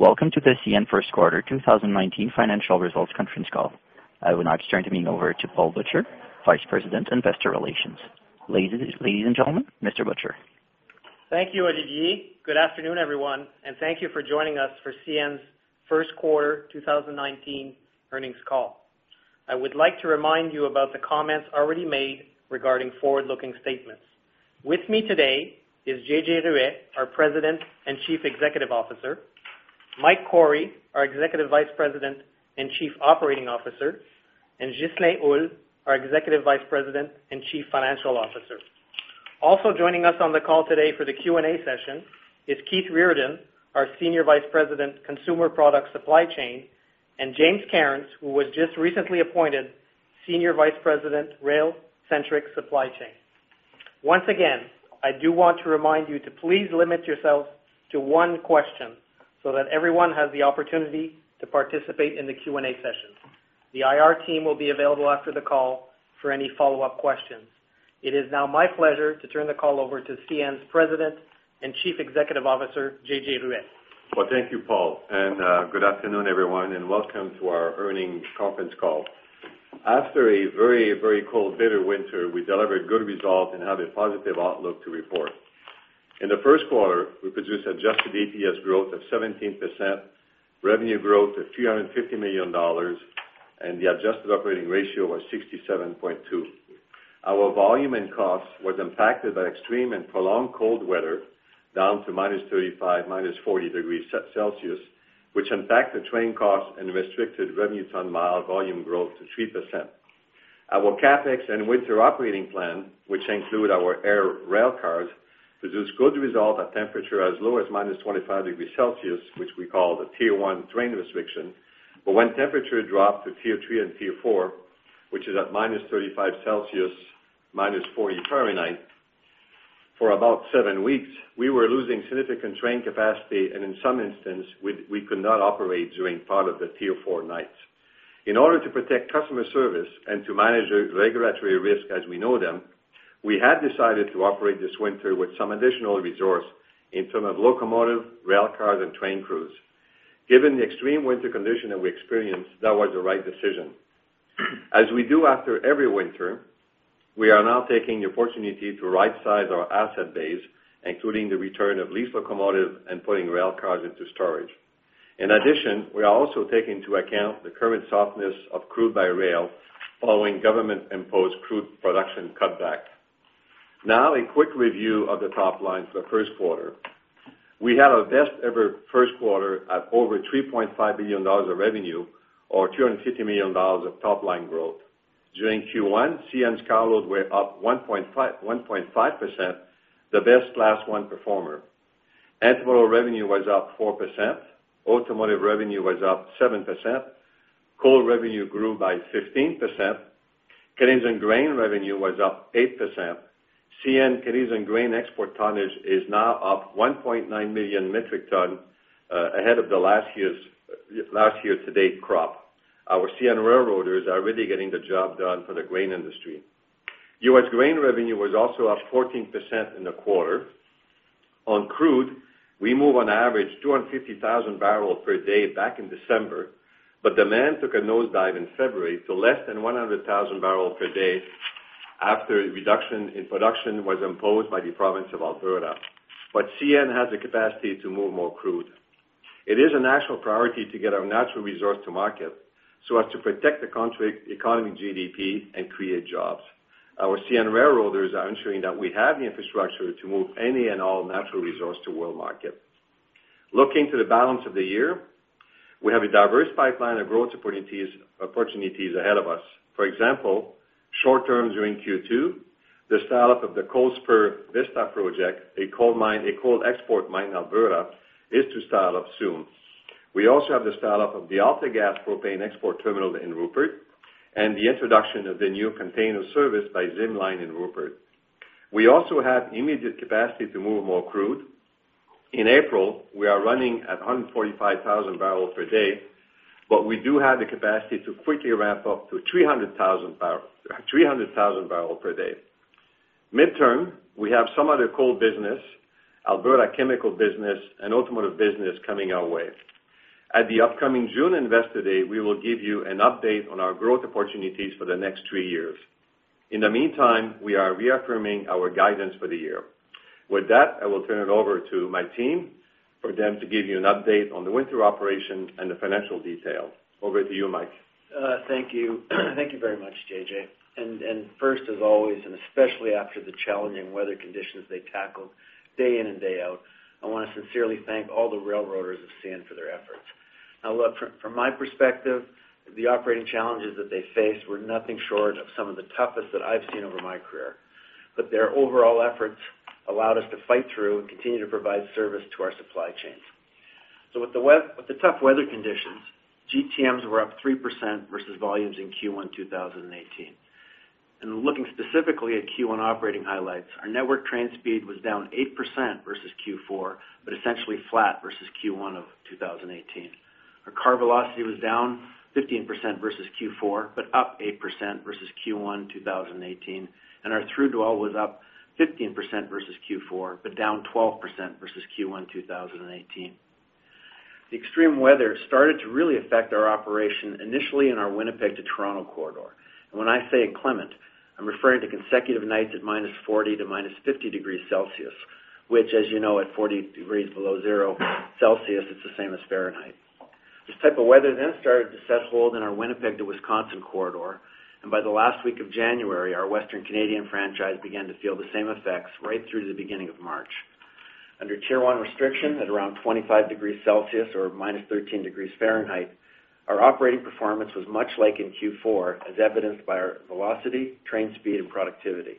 Welcome to the CN Q1 2019 financial results conference call. I will now turn the meeting over to Paul Butcher, Vice President, Investor Relations. Ladies, ladies and gentlemen, Mr. Butcher. Thank you, Olivier. Good afternoon, everyone, and thank you for joining us for CN's Q1 2019 earnings call. I would like to remind you about the comments already made regarding forward-looking statements. With me today is JJ Ruest, our President and Chief Executive Officer; Mike Cory, our Executive Vice President and Chief Operating Officer; and Ghislain Houle, our Executive Vice President and Chief Financial Officer. Also joining us on the call today for the Q&A session is Keith Reardon, our Senior Vice President, Consumer Products Supply Chain, and James Cairns, who was just recently appointed Senior Vice President, Rail Centric Supply Chain. Once again, I do want to remind you to please limit yourself to one question so that everyone has the opportunity to participate in the Q&A session. The IR team will be available after the call for any follow-up questions. It is now my pleasure to turn the call over to CN's President and Chief Executive Officer, JJ Ruest. Well, thank you, Paul, and good afternoon, everyone, and welcome to our earnings conference call. After a very, very cold, bitter winter, we delivered good results and have a positive outlook to report. In the Q1, we produced adjusted EPS growth of 17%, revenue growth of $350 million, and the adjusted operating ratio was 67.2. Our volume and costs was impacted by extreme and prolonged cold weather, down to -35, -40 degrees Celsius, which impacted train costs and restricted revenue ton mile volume growth to 3%. Our CapEx and winter operating plan, which include our air cars, produced good result at temperature as low as -25 degrees Celsius, which we call the Tier 1 train restriction. But when temperature dropped to Tier 3 and Tier 4, which is at -35 degrees Celsius, -40 degrees Fahrenheit, for about 7 weeks, we were losing significant train capacity, and in some instances, we could not operate during part of the Tier 4 nights. In order to protect customer service and to manage regulatory risk as we know them, we had decided to operate this winter with some additional resources in terms of locomotives, rail cars, and train crews. Given the extreme winter conditions that we experienced, that was the right decision. As we do after every winter, we are now taking the opportunity to rightsize our asset base, including the return of leased locomotives and putting rail cars into storage. In addition, we are also taking into account the current softness of crude by rail following government-imposed crude production cutbacks. Now, a quick review of the top line for the Q1. We had our best ever Q1 at over $3.5 billion of revenue, or $250 million of top-line growth. During Q1, CN's carload were up 1.5, 1.5%, the best Class I performer. Intermodal revenue was up 4%. Automotive revenue was up 7%. Coal revenue grew by 15%. Canadian grain revenue was up 8%. CN Canadian grain export tonnage is now up 1.9 million metric ton, ahead of the last year's, last year to date crop. Our CN railroaders are really getting the job done for the grain industry. US grain revenue was also up 14% in the quarter. On crude, we move on average 250,000 barrels per day back in December, but demand took a nosedive in February to less than 100,000 barrels per day after a reduction in production was imposed by the province of Alberta. CN has the capacity to move more crude. It is a national priority to get our natural resource to market so as to protect the country's economy GDP and create jobs. Our CN railroaders are ensuring that we have the infrastructure to move any and all natural resource to world market. Looking to the balance of the year, we have a diverse pipeline of growth opportunities, opportunities ahead of us. For example, short term during Q2, the startup of the Coalspur Vista project, a coal mine, a coal export mine in Alberta, is to start up soon. We also have the startup of the AltaGas propane export terminal in Rupert, and the introduction of the new container service by ZIM Line in Rupert. We also have immediate capacity to move more crude. In April, we are running at 145,000 barrels per day, but we do have the capacity to quickly ramp up to 300,000 barrels per day. Midterm, we have some other coal business, Alberta chemical business, and automotive business coming our way. At the upcoming June Investor Day, we will give you an update on our growth opportunities for the next three years. In the meantime, we are reaffirming our guidance for the year. With that, I will turn it over to my team for them to give you an update on the winter operation and the financial detail. Over to you, Mike. Thank you. Thank you very much, JJ. And first, as always, and especially after the challenging weather conditions they tackled day in and day out, I wanna sincerely thank all the railroaders of CN for their efforts. Now, look, from my perspective, the operating challenges that they faced were nothing short of some of the toughest that I've seen over my career, but their overall efforts allowed us to fight through and continue to provide service to our supply chains. So with the tough weather conditions, GTMs were up 3% versus volumes in Q1 2018. And looking specifically at Q1 operating highlights, our network train speed was down 8% versus Q4, but essentially flat versus Q1 of 2018. Car velocity was down 15% versus Q4, but up 8% versus Q1 2018, and our through dwell was up 15% versus Q4, but down 12% versus Q1 2018. The extreme weather started to really affect our operation, initially in our Winnipeg to Toronto corridor. When I say inclement, I'm referring to consecutive nights at -40 to -50 degrees Celsius, which, as you know, at 40 degrees below zero Celsius, it's the same as Fahrenheit. This type of weather then started to take hold in our Winnipeg to Wisconsin corridor, and by the last week of January, our Western Canadian franchise began to feel the same effects right through the beginning of March. Under Tier 1 restrictions, at around 25 degrees Celsius or minus 13 degrees Fahrenheit, our operating performance was much like in Q4, as evidenced by our velocity, train speed, and productivity.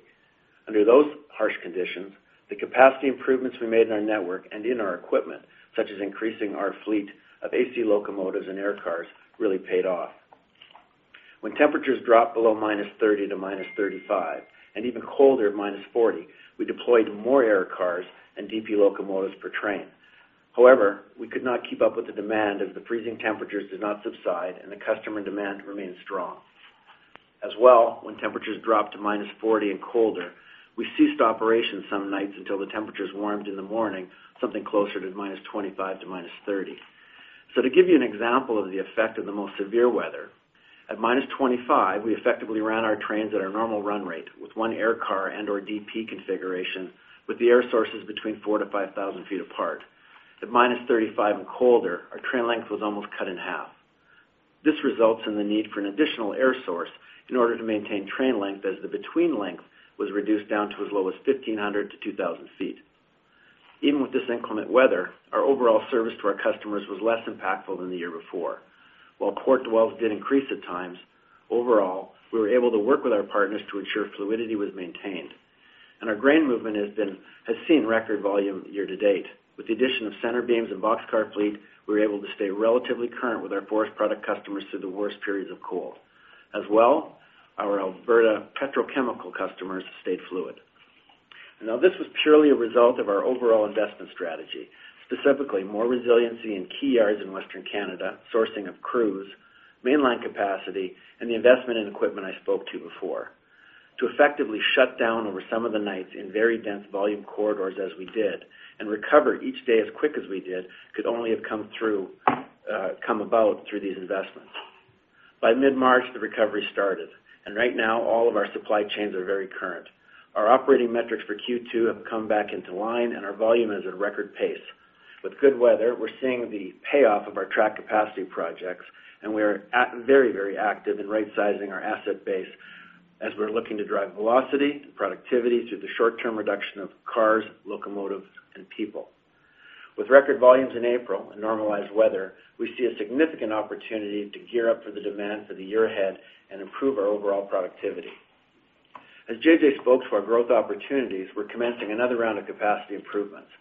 Under those harsh conditions, the capacity improvements we made in our network and in our equipment, such as increasing our fleet of AC locomotives and air cars, really paid off. When temperatures dropped below minus 30 to minus 35, and even colder, minus 40, we deployed more air cars and DP locomotives per train. However, we could not keep up with the demand as the freezing temperatures did not subside and the customer demand remained strong. As well, when temperatures dropped to minus 40 and colder, we ceased operations some nights until the temperatures warmed in the morning, something closer to minus 25 to minus 30. So to give you an example of the effect of the most severe weather, at minus 25, we effectively ran our trains at our normal run rate with one air car and/or DP configuration, with the air sources between 4,000-5,000 feet apart. At minus 35 and colder, our train length was almost cut in half. This results in the need for an additional air source in order to maintain train length, as the between length was reduced down to as low as 1,500-2,000 feet. Even with this inclement weather, our overall service to our customers was less impactful than the year before. While port dwells did increase at times, overall, we were able to work with our partners to ensure fluidity was maintained, and our grain movement has seen record volume year to date. With the addition of center beams and boxcar fleet, we were able to stay relatively current with our forest product customers through the worst periods of coal. As well, our Alberta petrochemical customers stayed fluid. Now, this was purely a result of our overall investment strategy, specifically more resiliency in key areas in Western Canada, sourcing of crews, mainline capacity, and the investment in equipment I spoke to before. To effectively shut down over some of the nights in very dense volume corridors as we did, and recover each day as quick as we did, could only have come through, come about through these investments. By mid-March, the recovery started, and right now, all of our supply chains are very current. Our operating metrics for Q2 have come back into line, and our volume is at a record pace. With good weather, we're seeing the payoff of our track capacity projects, and we are very, very active in right sizing our asset base as we're looking to drive velocity and productivity through the short-term reduction of cars, locomotives, and people. With record volumes in April and normalized weather, we see a significant opportunity to gear up for the demand for the year ahead and improve our overall productivity. As JJ spoke to our growth opportunities, we're commencing another round of capacity improvements.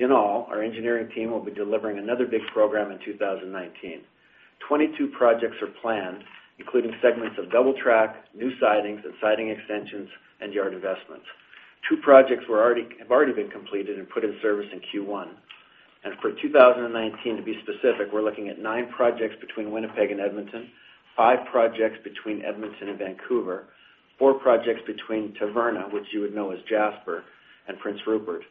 In all, our engineering team will be delivering another big program in 2019. 22 projects are planned, including segments of double track, new sidings and siding extensions, and yard investments. Two projects have already been completed and put in service in Q1. For 2019, to be specific, we're looking at 9 projects between Winnipeg and Edmonton, 5 projects between Edmonton and Vancouver, 4 projects between Tête Jaune Cache, which you would know as Jasper, and Prince Rupert,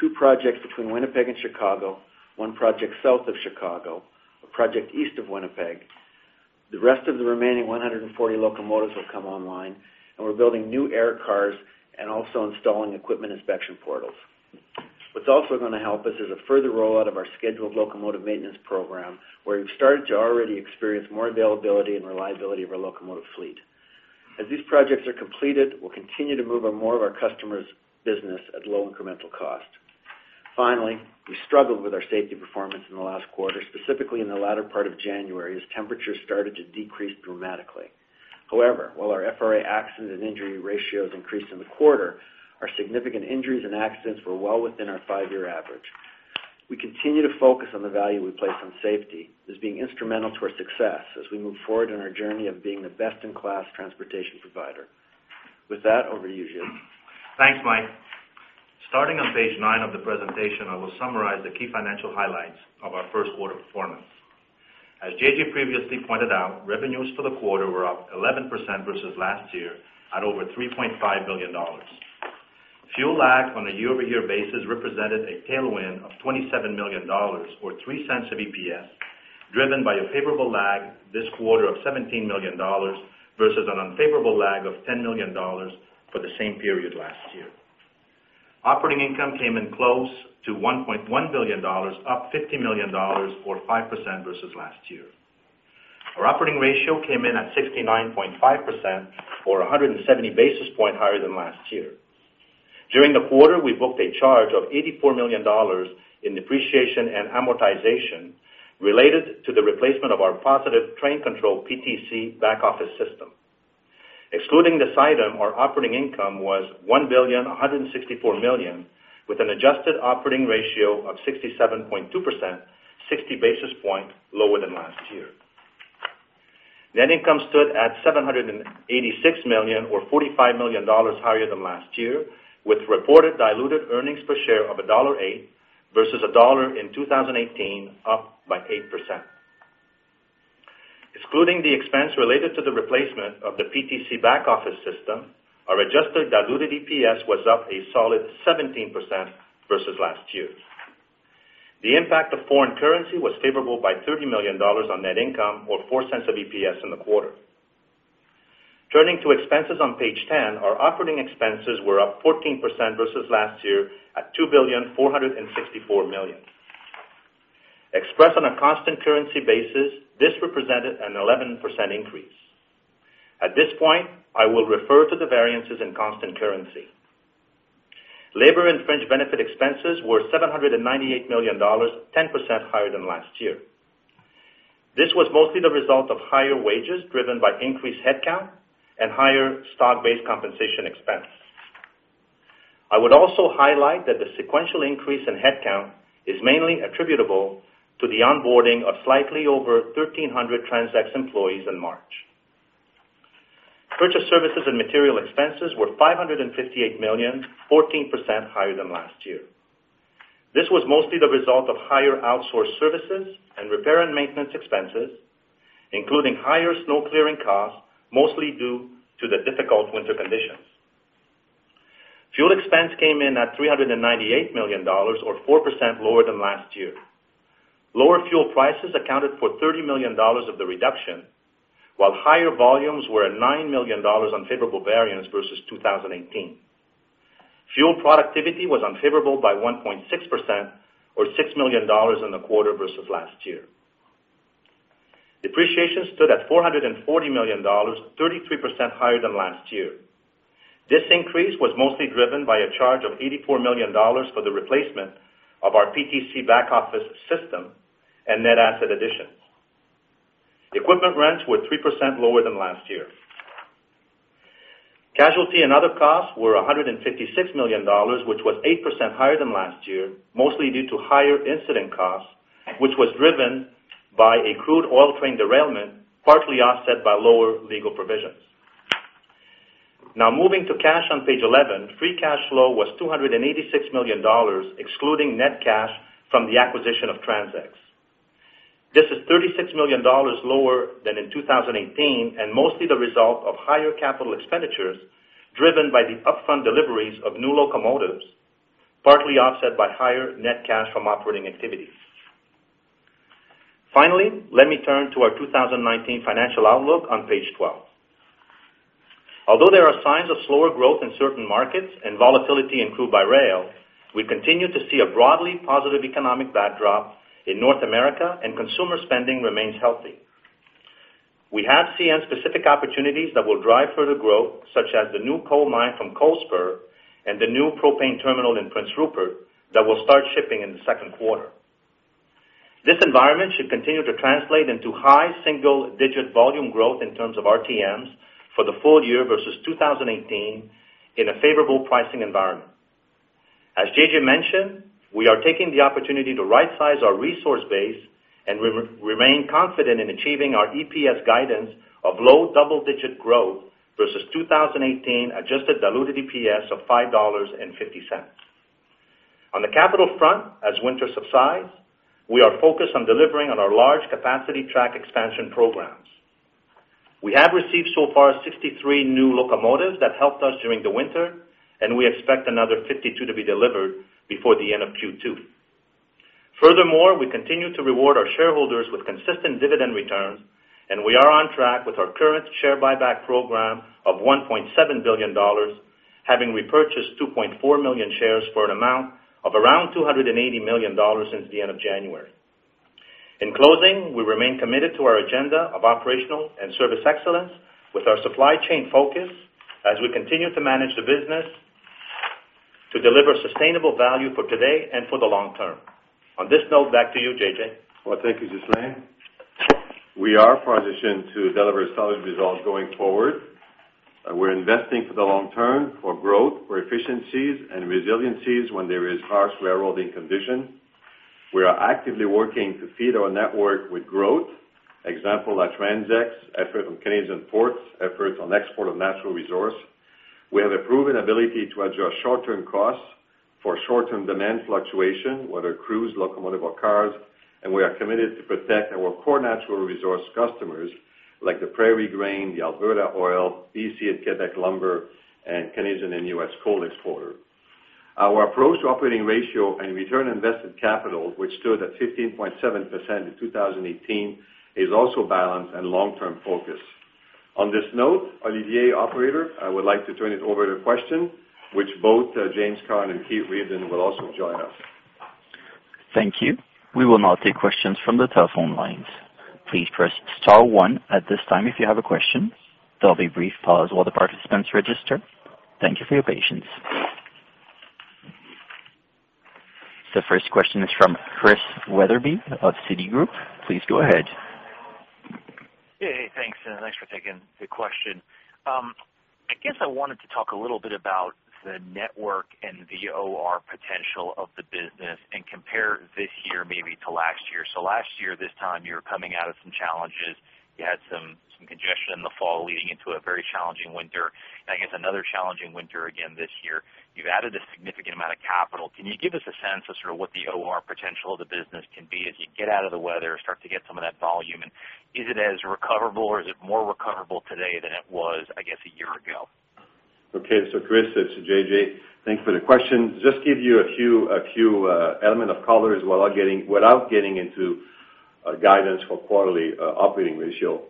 2 projects between Winnipeg and Chicago, 1 project south of Chicago, a project east of Winnipeg. The rest of the remaining 140 locomotives will come online, and we're building new air cars and also installing equipment inspection portals. What's also gonna help us is a further rollout of our scheduled locomotive maintenance program, where we've started to already experience more availability and reliability of our locomotive fleet. As these projects are completed, we'll continue to move on more of our customers' business at low incremental cost. Finally, we struggled with our safety performance in the last quarter, specifically in the latter part of January, as temperatures started to decrease dramatically. However, while our FRA accident and injury ratios increased in the quarter, our significant injuries and accidents were well within our five-year average. We continue to focus on the value we place on safety as being instrumental to our success as we move forward in our journey of being the best-in-class transportation provider. With that, over to you, Gilles. Thanks, Mike. Starting on page nine of the presentation, I will summarize the key financial highlights of our Q1 performance. As JJ previously pointed out, revenues for the quarter were up 11% versus last year, at over $3.5 billion. Fuel lag on a year-over-year basis represented a tailwind of $27 million, or $0.03 of EPS, driven by a favorable lag this quarter of $17 million versus an unfavorable lag of $10 million for the same period last year. Operating income came in close to $1.1 billion, up $50 million or 5% versus last year. Our operating ratio came in at 69.5% or 170 basis points higher than last year. During the quarter, we booked a charge of $84 million in depreciation and amortization related to the replacement of our Positive Train Control, PTC, back office system. Excluding this item, our operating income was $1.164 billion, with an adjusted operating ratio of 67.2%, 60 basis point lower than last year. Net income stood at $786 million or $45 million higher than last year, with reported diluted earnings per share of $1.08 versus $1 in 2018, up by 8%. Excluding the expense related to the replacement of the PTC back office system, our adjusted diluted EPS was up a solid 17% versus last year. The impact of foreign currency was favorable by $30 million on net income or $0.04 of EPS in the quarter. Turning to expenses on page 10, our operating expenses were up 14% versus last year at $2.464 billion. Expressed on a constant currency basis, this represented an 11% increase. At this point, I will refer to the variances in constant currency. Labor and fringe benefit expenses were $798 million, 10% higher than last year. This was mostly the result of higher wages driven by increased headcount and higher stock-based compensation expense. I would also highlight that the sequential increase in headcount is mainly attributable to the onboarding of slightly over 1,300 TransX employees in March. Purchase services and material expenses were $558 million, 14% higher than last year. This was mostly the result of higher outsourced services and repair and maintenance expenses, including higher snow clearing costs, mostly due to the difficult winter conditions. Fuel expense came in at $398 million, or 4% lower than last year. Lower fuel prices accounted for $30 million of the reduction, while higher volumes were a $9 million unfavorable variance versus 2018. Fuel productivity was unfavorable by 1.6%, or $6 million in the quarter versus last year. Depreciation stood at $440 million, 33% higher than last year. This increase was mostly driven by a charge of $84 million for the replacement of our PTC back office system and net asset additions. Equipment rents were 3% lower than last year. Casualty and other costs were $156 million, which was 8% higher than last year, mostly due to higher incident costs, which was driven by a crude oil train derailment, partly offset by lower legal provisions. Now, moving to cash on page 11, free cash flow was $286 million, excluding net cash from the acquisition of TransX. This is 36 million dollars lower than in 2018 and mostly the result of higher capital expenditures, driven by the upfront deliveries of new locomotives, partly offset by higher net cash from operating activities. Finally, let me turn to our 2019 financial outlook on page 12. Although there are signs of slower growth in certain markets and volatility in crude by rail, we continue to see a broadly positive economic backdrop in North America, and consumer spending remains healthy. We have seen specific opportunities that will drive further growth, such as the new coal mine from Coalspur and the new propane terminal in Prince Rupert, that will start shipping in the Q2. This environment should continue to translate into high single-digit volume growth in terms of RTMs for the full year versus 2018 in a favorable pricing environment. As JJ mentioned, we are taking the opportunity to rightsize our resource base, and remain confident in achieving our EPS guidance of low double-digit growth versus 2018 adjusted diluted EPS of $5.50. On the capital front, as winter subsides, we are focused on delivering on our large capacity track expansion programs. We have received so far 63 new locomotives that helped us during the winter, and we expect another 52 to be delivered before the end of Q2. Furthermore, we continue to reward our shareholders with consistent dividend returns, and we are on track with our current share buyback program of $1.7 billion, having repurchased 2.4 million shares for an amount of around $280 million since the end of January. In closing, we remain committed to our agenda of operational and service excellence with our supply chain focus as we continue to manage the business to deliver sustainable value for today and for the long term. On this note, back to you, JJ. Well, thank you, Ghislain. We are positioned to deliver solid results going forward. We're investing for the long term, for growth, for efficiencies, and resiliencies when there is harsh railroading condition. We are actively working to feed our network with growth. Example, like TransX, effort on Canadian ports, efforts on export of natural resource. We have a proven ability to adjust short-term costs for short-term demand fluctuation, whether crews, locomotive, or cars, and we are committed to protect our core natural resource customers like the Prairie Grain, the Alberta Oil, BC and Quebec Lumber, and Canadian and US coal exporter. Our approach to operating ratio and return on invested capital, which stood at 15.7% in 2018, is also balanced and long-term focused. On this note, Olivier operator, I would like to turn it over to question, which both, James Cairns and Keith Reardon will also join us. Thank you. We will now take questions from the telephone lines. Please press star one at this time if you have a question. There'll be a brief pause while the participants register. Thank you for your patience. The first question is from Chris Wetherbee of Citigroup. Please go ahead. Hey, thanks, and thanks for taking the question.... I guess I wanted to talk a little bit about the network and the OR potential of the business and compare this year maybe to last year. So last year, this time, you were coming out of some challenges. You had some congestion in the fall leading into a very challenging winter, and I guess another challenging winter again this year. You've added a significant amount of capital. Can you give us a sense of sort of what the OR potential of the business can be as you get out of the weather, start to get some of that volume? And is it as recoverable or is it more recoverable today than it was, I guess, a year ago? Okay. So Chris, it's JJ. Thanks for the question. Just give you a few elements of color without getting into guidance for quarterly operating ratio.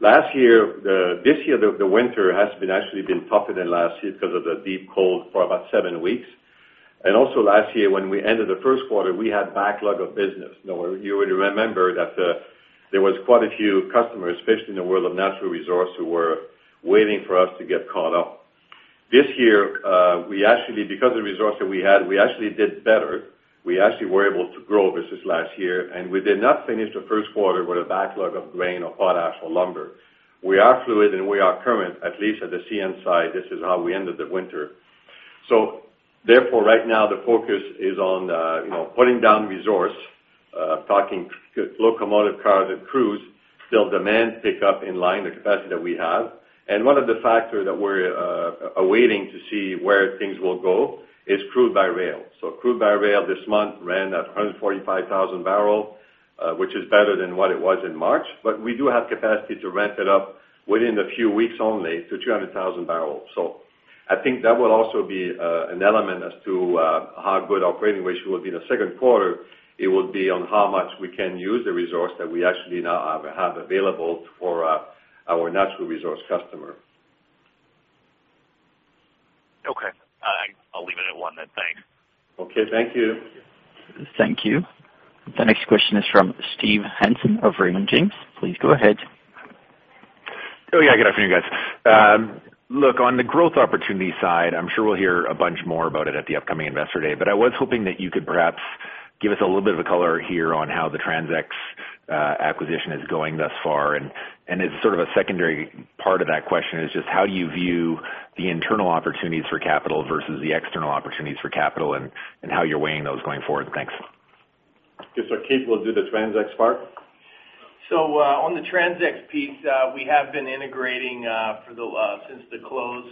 Last year, this year, the winter has actually been tougher than last year because of the deep cold for about seven weeks. Also last year, when we ended the Q1, we had backlog of business. Now, you would remember that there was quite a few customers, especially in the world of natural resource, who were waiting for us to get caught up. This year, we actually, because of the resource that we had, we actually did better. We actually were able to grow versus last year, and we did not finish the Q1 with a backlog of grain or potash or lumber. We are fluid, and we are current, at least at the CN side. This is how we ended the winter. So therefore, right now, the focus is on, you know, putting down resource, talking locomotive cars and crews, till demand pick up in line, the capacity that we have. And one of the factors that we're awaiting to see where things will go is crude by rail. So crude by rail this month ran at 145,000 barrel, which is better than what it was in March, but we do have capacity to ramp it up within a few weeks only to 200,000 barrels. So I think that will also be an element as to how good operating ratio will be in the Q2. It will be on how much we can use the resource that we actually now have available for our natural resource customer. Okay. I'll leave it at one then. Thanks. Okay, thank you. Thank you. The next question is from Steve Hansen of Raymond James. Please go ahead. Oh, yeah. Good afternoon, guys. Look, on the growth opportunity side, I'm sure we'll hear a bunch more about it at the upcoming Investor Day, but I was hoping that you could perhaps give us a little bit of color here on how the TransX acquisition is going thus far. And, as sort of a secondary part of that question is just how you view the internal opportunities for capital versus the external opportunities for capital and how you're weighing those going forward. Thanks. Okay, so Keith will do the TransX part. So, on the TransX piece, we have been integrating since the close.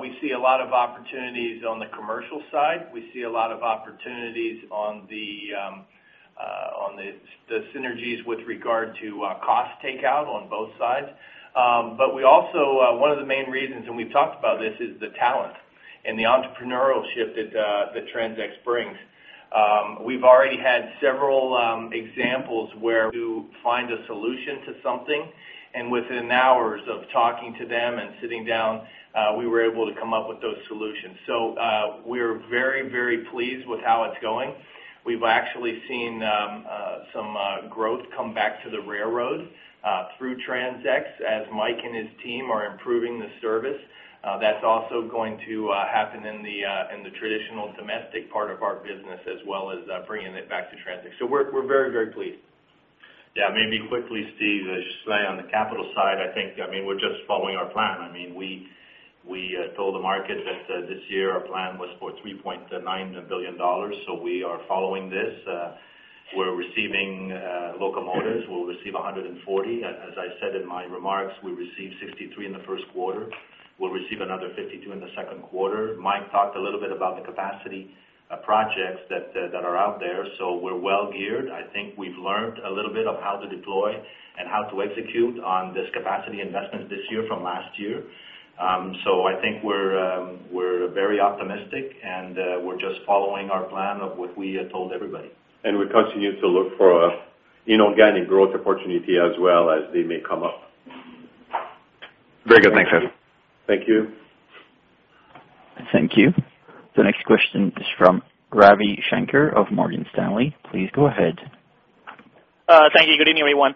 We see a lot of opportunities on the commercial side. We see a lot of opportunities on the synergies with regard to cost takeout on both sides. But we also, one of the main reasons, and we've talked about this, is the talent and the entrepreneurship that TransX brings. We've already had several examples where to find a solution to something, and within hours of talking to them and sitting down, we were able to come up with those solutions. So, we're very, very pleased with how it's going. We've actually seen some growth come back to the railroad through TransX, as Mike and his team are improving the service. That's also going to happen in the traditional domestic part of our business, as well as bringing it back to TransX. So we're very, very pleased. Yeah, maybe quickly, Steve, just say on the capital side, I think, I mean, we're just following our plan. I mean, we, we told the market that this year our plan was for $3.9 billion, so we are following this. We're receiving locomotives. We'll receive 140. As, as I said in my remarks, we received 63 in the Q1. We'll receive another 52 in the Q2. Mike talked a little bit about the capacity projects that, that are out there, so we're well geared. I think we've learned a little bit of how to deploy and how to execute on this capacity investment this year from last year. So I think we're, we're very optimistic, and we're just following our plan of what we had told everybody. We continue to look for inorganic growth opportunity as well as they may come up. Very good. Thanks, guys. Thank you. Thank you. The next question is from Ravi Shanker of Morgan Stanley. Please go ahead. Thank you. Good evening, everyone.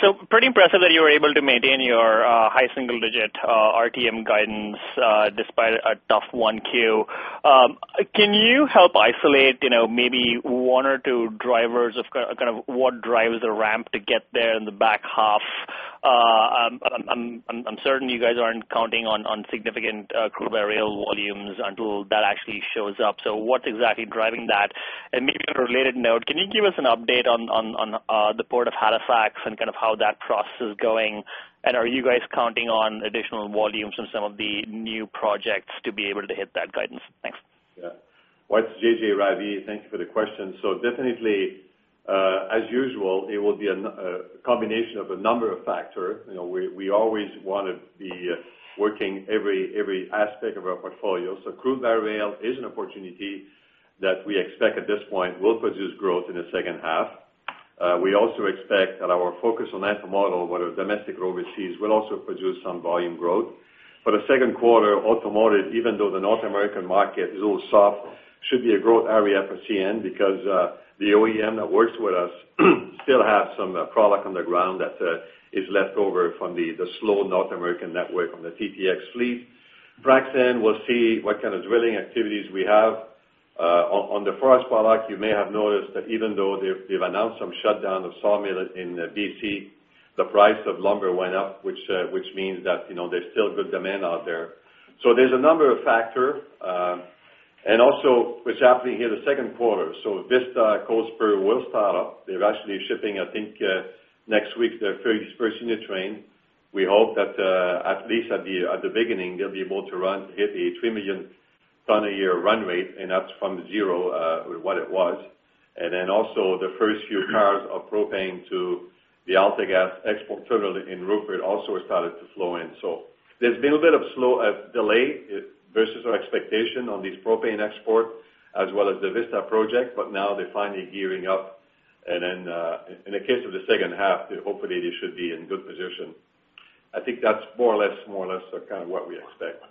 So pretty impressive that you were able to maintain your high single digit RTM guidance despite a tough 1Q. Can you help isolate, you know, maybe one or two drivers of kind of what drives the ramp to get there in the back half? I'm certain you guys aren't counting on significant crude by rail volumes until that actually shows up. So what's exactly driving that? And maybe on a related note, can you give us an update on the Port of Halifax and kind of how that process is going? And are you guys counting on additional volumes from some of the new projects to be able to hit that guidance? Thanks. Yeah. Well, it's JJ, Ravi. Thank you for the question. So definitely, as usual, it will be a combination of a number of factors. You know, we always wanna be working every aspect of our portfolio. So crude by rail is an opportunity that we expect at this point will produce growth in the second half. We also expect that our focus on intermodal, whether domestic or overseas, will also produce some volume growth. For the Q2, automotive, even though the North American market is a little soft, should be a growth area for CN because the OEM that works with us still have some product on the ground that is left over from the slow North American network from the TTX fleet.... Brandon, we'll see what kind of drilling activities we have, on the forest products. You may have noticed that even though they've announced some shutdown of sawmills in BC, the price of lumber went up, which means that, you know, there's still good demand out there. So there's a number of factors, and also what's happening here in the Q2. So Vista Coalspur will start up. They're actually shipping, I think, next week, their first train. We hope that, at least at the beginning, they'll be able to run, hit a 3 million ton a year run rate, and that's from zero, what it was. And then also the first few cars of propane to the AltaGas export terminal in Rupert also started to flow in. So there's been a bit of slow delay versus our expectation on these propane export as well as the Vista project, but now they're finally gearing up. Then in the case of the second half, hopefully, they should be in good position. I think that's more or less, more or less kind of what we expect.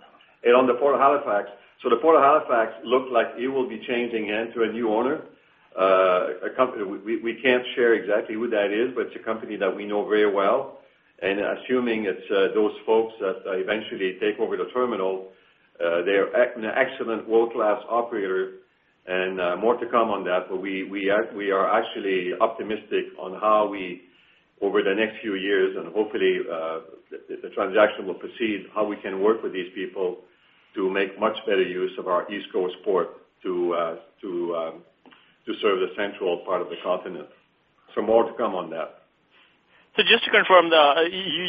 On the Port of Halifax, the Port of Halifax looks like it will be changing hands to a new owner, a company. We can't share exactly who that is, but it's a company that we know very well. Assuming it's those folks that eventually take over the terminal, they're an excellent world-class operator, and more to come on that. We are actually optimistic on how we over the next few years and hopefully if the transaction will proceed how we can work with these people to make much better use of our East Coast port to serve the central part of the continent. So more to come on that. So just to confirm,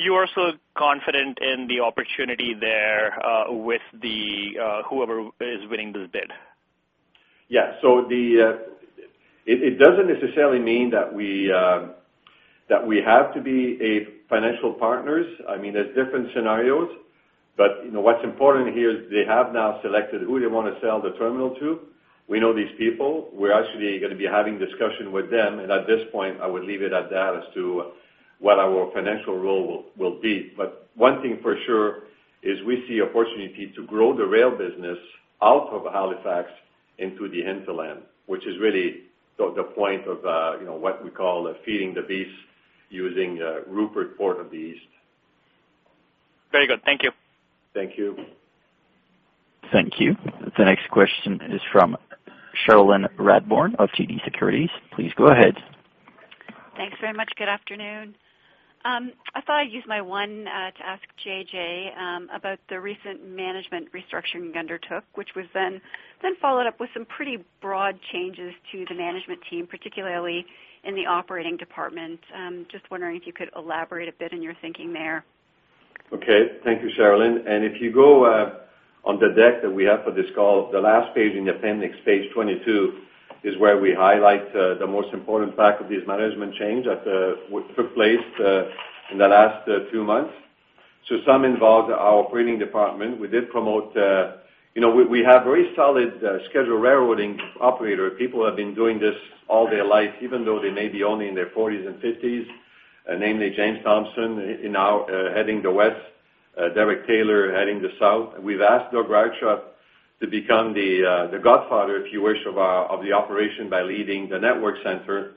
you are so confident in the opportunity there with whoever is winning this bid? Yeah. So it doesn't necessarily mean that we that we have to be a financial partners. I mean, there's different scenarios, but, you know, what's important here is they have now selected who they wanna sell the terminal to. We know these people. We're actually gonna be having discussion with them, and at this point, I would leave it at that as to what our financial role will be. But one thing for sure is we see opportunity to grow the rail business out of Halifax into the hinterland, which is really so the point of, you know, what we call feeding the beast, using Rupert port of the East. Very good. Thank you. Thank you. Thank you. The next question is from Cherilyn Radbourne of TD Securities. Please go ahead. Thanks very much. Good afternoon. I thought I'd use my one to ask JJ about the recent management restructuring you undertook, which was then followed up with some pretty broad changes to the management team, particularly in the operating department. Just wondering if you could elaborate a bit in your thinking there. Okay. Thank you, Cherilyn. And if you go on the deck that we have for this call, the last page in the appendix, page 22, is where we highlight the most important fact of this management change that took place in the last 2 months. So some involved our operating department. We did promote. You know, we have very solid schedule railroading operator. People have been doing this all their life, even though they may be only in their forties and fifties, namely James Thompson is now heading the West, Derek Taylor heading the South. We've asked Doug Ryhorchuk to become the godfather, if you wish, of the operation by leading the network center.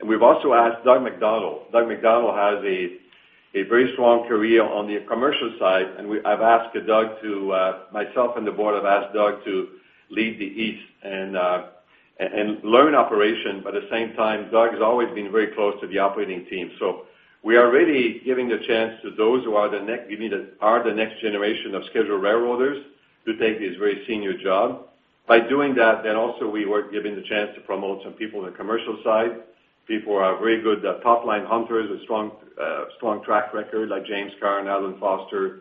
And we've also asked Doug MacDonald. Doug MacDonald has a very strong career on the commercial side, and we've asked Doug to—myself and the board have asked Doug to lead the east and learn operation, but at the same time, Doug has always been very close to the operating team. So we are really giving the chance to those who are the next—are the next generation of scheduled railroaders to take this very senior job. By doing that, then also we were given the chance to promote some people on the commercial side, people who are very good top line hunters with strong strong track record, like James Cairns and Allen Foster,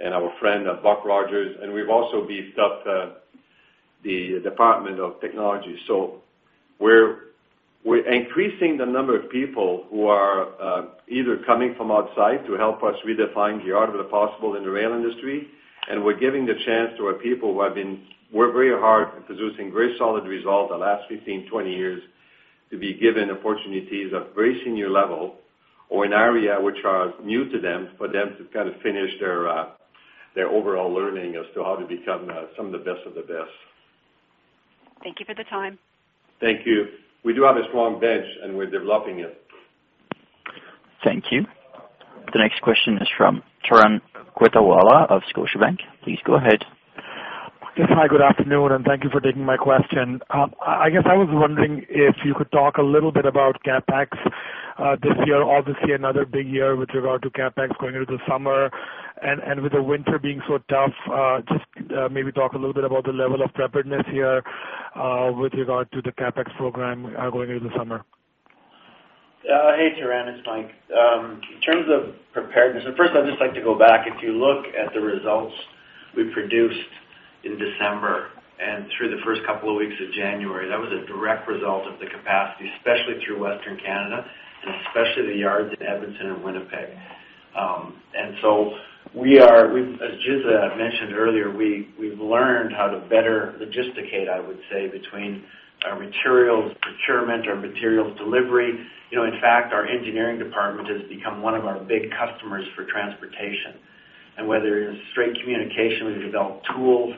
and our friend Buck Rogers. And we've also beefed up the Department of Technology. So we're, we're increasing the number of people who are either coming from outside to help us redefine the art of the possible in the rail industry, and we're giving the chance to our people who have been worked very hard in producing very solid results the last 15, 20 years, to be given opportunities at a very senior level or an area which are new to them, for them to kind of finish their their overall learning as to how to become some of the best of the best. Thank you for the time. Thank you. We do have a strong bench, and we're developing it. Thank you. The next question is from Turan Quettawala of Scotiabank. Please go ahead. Yes. Hi, good afternoon, and thank you for taking my question. I guess I was wondering if you could talk a little bit about CapEx this year. Obviously, another big year with regard to CapEx going into the summer, and with the winter being so tough, just maybe talk a little bit about the level of preparedness here, with regard to the CapEx program, going into the summer. Hey, Taran, it's Mike. In terms of preparedness, and first, I'd just like to go back. If you look at the results we produced in December and through the first couple of weeks of January, that was a direct result of the capacity, especially through Western Canada and especially the yards in Edmonton and Winnipeg. And so we've—as Ghislain mentioned earlier, we've learned how to better logisticate, I would say, between our materials procurement, our materials delivery. You know, in fact, our engineering department has become one of our big customers for transportation. And whether it's straight communication, we've developed tools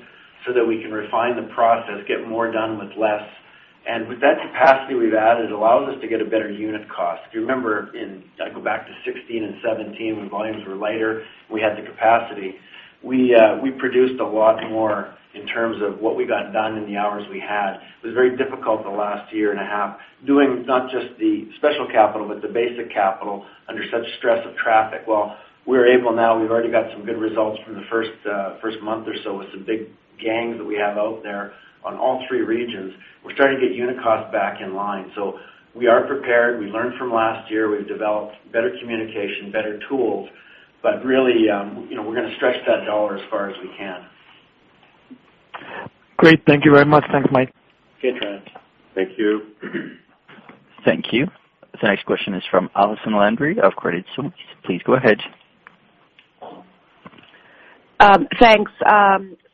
so that we can refine the process, get more done with less. And with that capacity we've added, allows us to get a better unit cost. If you remember, if I go back to 2016 and 2017, when volumes were lighter, we had the capacity. We, we produced a lot more in terms of what we got done in the hours we had. It was very difficult the last year and a half, doing not just the special capital, but the basic capital under such stress of traffic. Well, we're able now. We've already got some good results from the first, first month or so with the big gang that we have out there on all three regions. We're starting to get unit cost back in line. So we are prepared. We learned from last year. We've developed better communication, better tools, but really, you know, we're gonna stretch that dollar as far as we can. Great. Thank you very much. Thanks, Mike. Okay, Trent. Thank you. Thank you. The next question is from Allison Landry of Credit Suisse. Please go ahead. Thanks.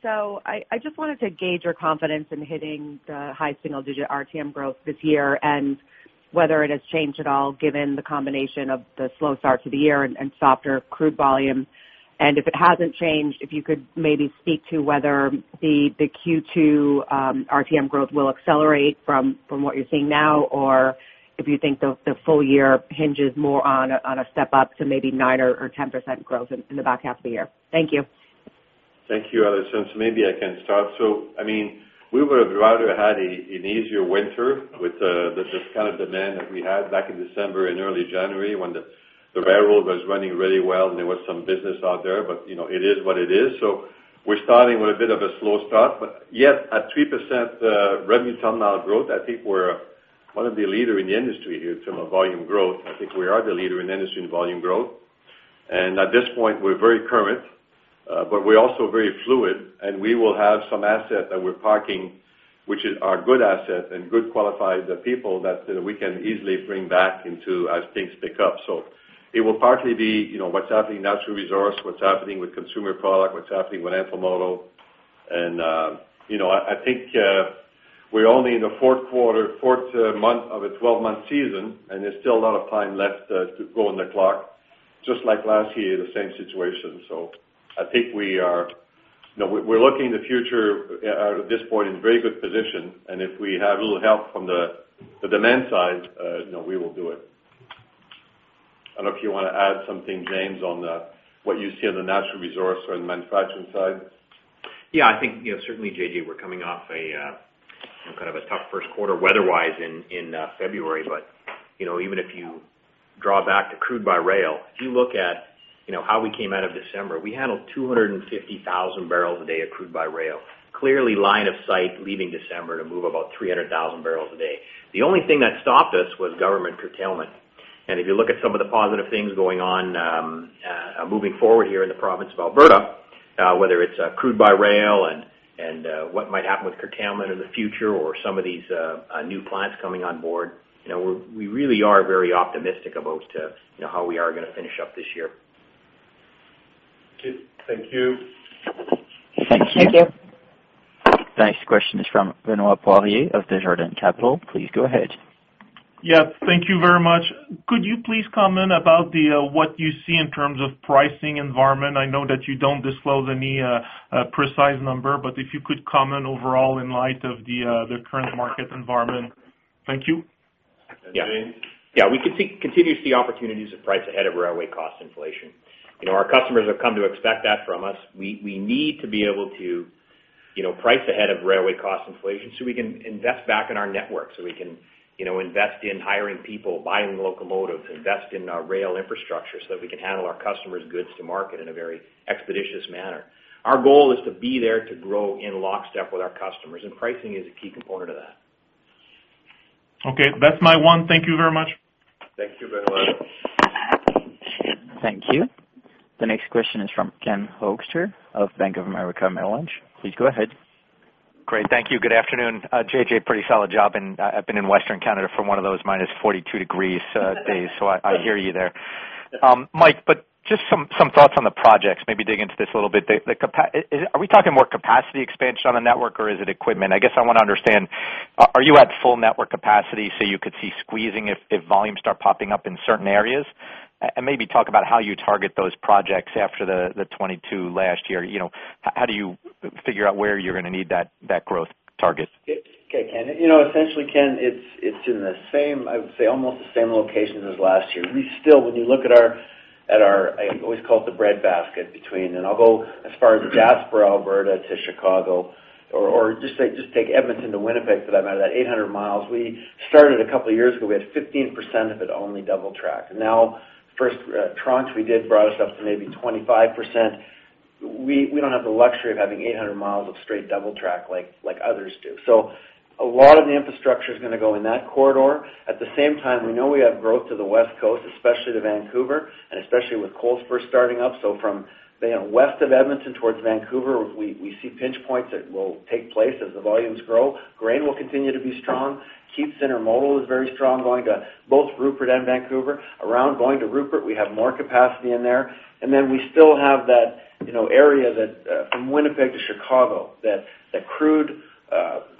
So I just wanted to gauge your confidence in hitting the high single digit RTM growth this year and whether it has changed at all, given the combination of the slow start to the year and softer crude volume. And if it hasn't changed, if you could maybe speak to whether the Q2 RTM growth will accelerate from what you're seeing now, or if you think the full year hinges more on a step up to maybe 9% or 10% growth in the back half of the year. Thank you. Thank you, Allison. So maybe I can start. So, I mean, we would have rather had a, an easier winter with the, the kind of demand that we had back in December and early January, when the, the railroad was running really well and there was some business out there, but, you know, it is what it is. So we're starting with a bit of a slow start, but yet, at 3%, revenue ton-mile growth, I think we're one of the leader in the industry here in term of volume growth. I think we are the leader in the industry in volume growth. And at this point, we're very current, but we're also very fluid, and we will have some assets that we're parking, which is our good assets and good qualified people, that we can easily bring back into as things pick up. So it will partly be, you know, what's happening in natural resources, what's happening with consumer products, what's happening with Intermodal. You know, I think we're only in the fourth month of a 12-month season, and there's still a lot of time left to go on the clock, just like last year, the same situation. So I think we are. You know, we're looking to the future at this point in very good position, and if we have a little help from the demand side, you know, we will do it. I don't know if you wanna add something, James, on what you see on the natural resources or the manufacturing side? Yeah, I think, you know, certainly, JJ, we're coming off a kind of a tough Q1 weather-wise in February. But, you know, even if you draw back to crude by rail, if you look at, you know, how we came out of December, we handled 250,000 barrels a day of crude by rail. Clearly line of sight, leaving December to move about 300,000 barrels a day. The only thing that stopped us was government curtailment. If you look at some of the positive things going on moving forward here in the province of Alberta, whether it's crude by rail and what might happen with curtailment in the future or some of these new clients coming on board, you know, we really are very optimistic about, you know, how we are gonna finish up this year. Okay. Thank you. Thank you. Thank you. Next question is from Benoit Poirier of Desjardins Capital. Please go ahead. Yeah, thank you very much. Could you please comment about what you see in terms of pricing environment? I know that you don't disclose any precise number, but if you could comment overall in light of the current market environment. Thank you. Yeah, James? Yeah, we can continue to see opportunities to price ahead of railway cost inflation. You know, our customers have come to expect that from us. We need to be able to, you know, price ahead of railway cost inflation so we can invest back in our network, so we can, you know, invest in hiring people, buying locomotives, invest in our rail infrastructure, so that we can handle our customers' goods to market in a very expeditious manner. Our goal is to be there to grow in lockstep with our customers, and pricing is a key component of that. Okay, that's my one. Thank you very much. Thank you, Benoit. Thank you. The next question is from Ken Hoexter of Bank of America Merrill Lynch. Please go ahead. Great. Thank you. Good afternoon, JJ, pretty solid job, and I've been in Western Canada for one of those -42 degrees Celsius days, so I hear you there. Mike, but just some thoughts on the projects. Maybe dig into this a little bit. Are we talking more capacity expansion on a network or is it equipment? I guess I wanna understand, are you at full network capacity so you could see squeezing if volumes start popping up in certain areas? And maybe talk about how you target those projects after the 2022 last year. You know, how do you figure out where you're gonna need that growth target? Okay, Ken. You know, essentially, Ken, it's, it's in the same, I would say, almost the same location as last year. We still, when you look at our, at our, I always call it the breadbasket between, and I'll go as far as Jasper, Alberta to Chicago, or, or just say, just take Edmonton to Winnipeg, for that matter, that 800 miles. We started a couple of years ago, we had 15% of it only double track. Now, first tranche we did brought us up to maybe 25%. We, we don't have the luxury of having 800 miles of straight double track like, like others do. So a lot of the infrastructure is gonna go in that corridor. At the same time, we know we have growth to the West Coast, especially to Vancouver, and especially with coal's first starting up. So from, you know, west of Edmonton towards Vancouver, we see pinch points that will take place as the volumes grow. Grain will continue to be strong. CN intermodal is very strong, going to both Rupert and Vancouver. Around going to Rupert, we have more capacity in there, and then we still have that-... you know, area that, from Winnipeg to Chicago, that, that crude,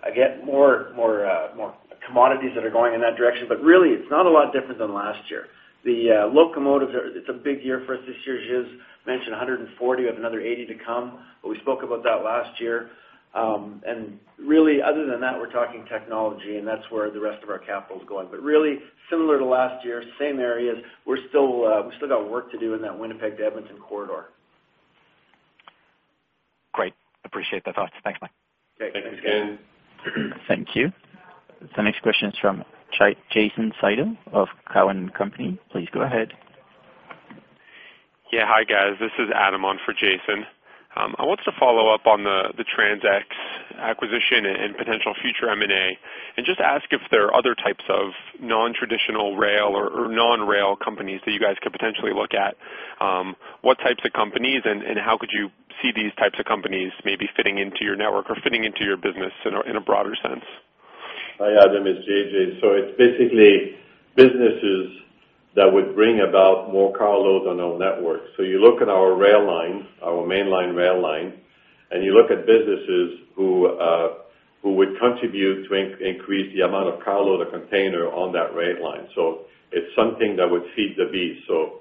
again, more, more, more commodities that are going in that direction, but really, it's not a lot different than last year. The, locomotives are- it's a big year for us this year. Gilles mentioned 140, we have another 80 to come, but we spoke about that last year. And really, other than that, we're talking technology, and that's where the rest of our capital is going. But really, similar to last year, same areas. We're still, we still got work to do in that Winnipeg to Edmonton corridor. Great. Appreciate the thoughts. Thanks, Mike. Thanks, Ken. Thank you. The next question is from Jason Seidel of Cowen and Company. Please go ahead. Yeah. Hi, guys. This is Adam on for Jason. I wanted to follow up on the, the TransX acquisition and potential future M&A, and just ask if there are other types of non-traditional rail or, or non-rail companies that you guys could potentially look at? What types of companies and, and how could you see these types of companies maybe fitting into your network or fitting into your business in a, in a broader sense? Hi, Adam. It's JJ. So it's basically businesses that would bring about more car loads on our network. So you look at our rail line, our main line rail line, and you look at businesses who, who would contribute to increase the amount of car load or container on that rail line. So it's something that would feed the beast. So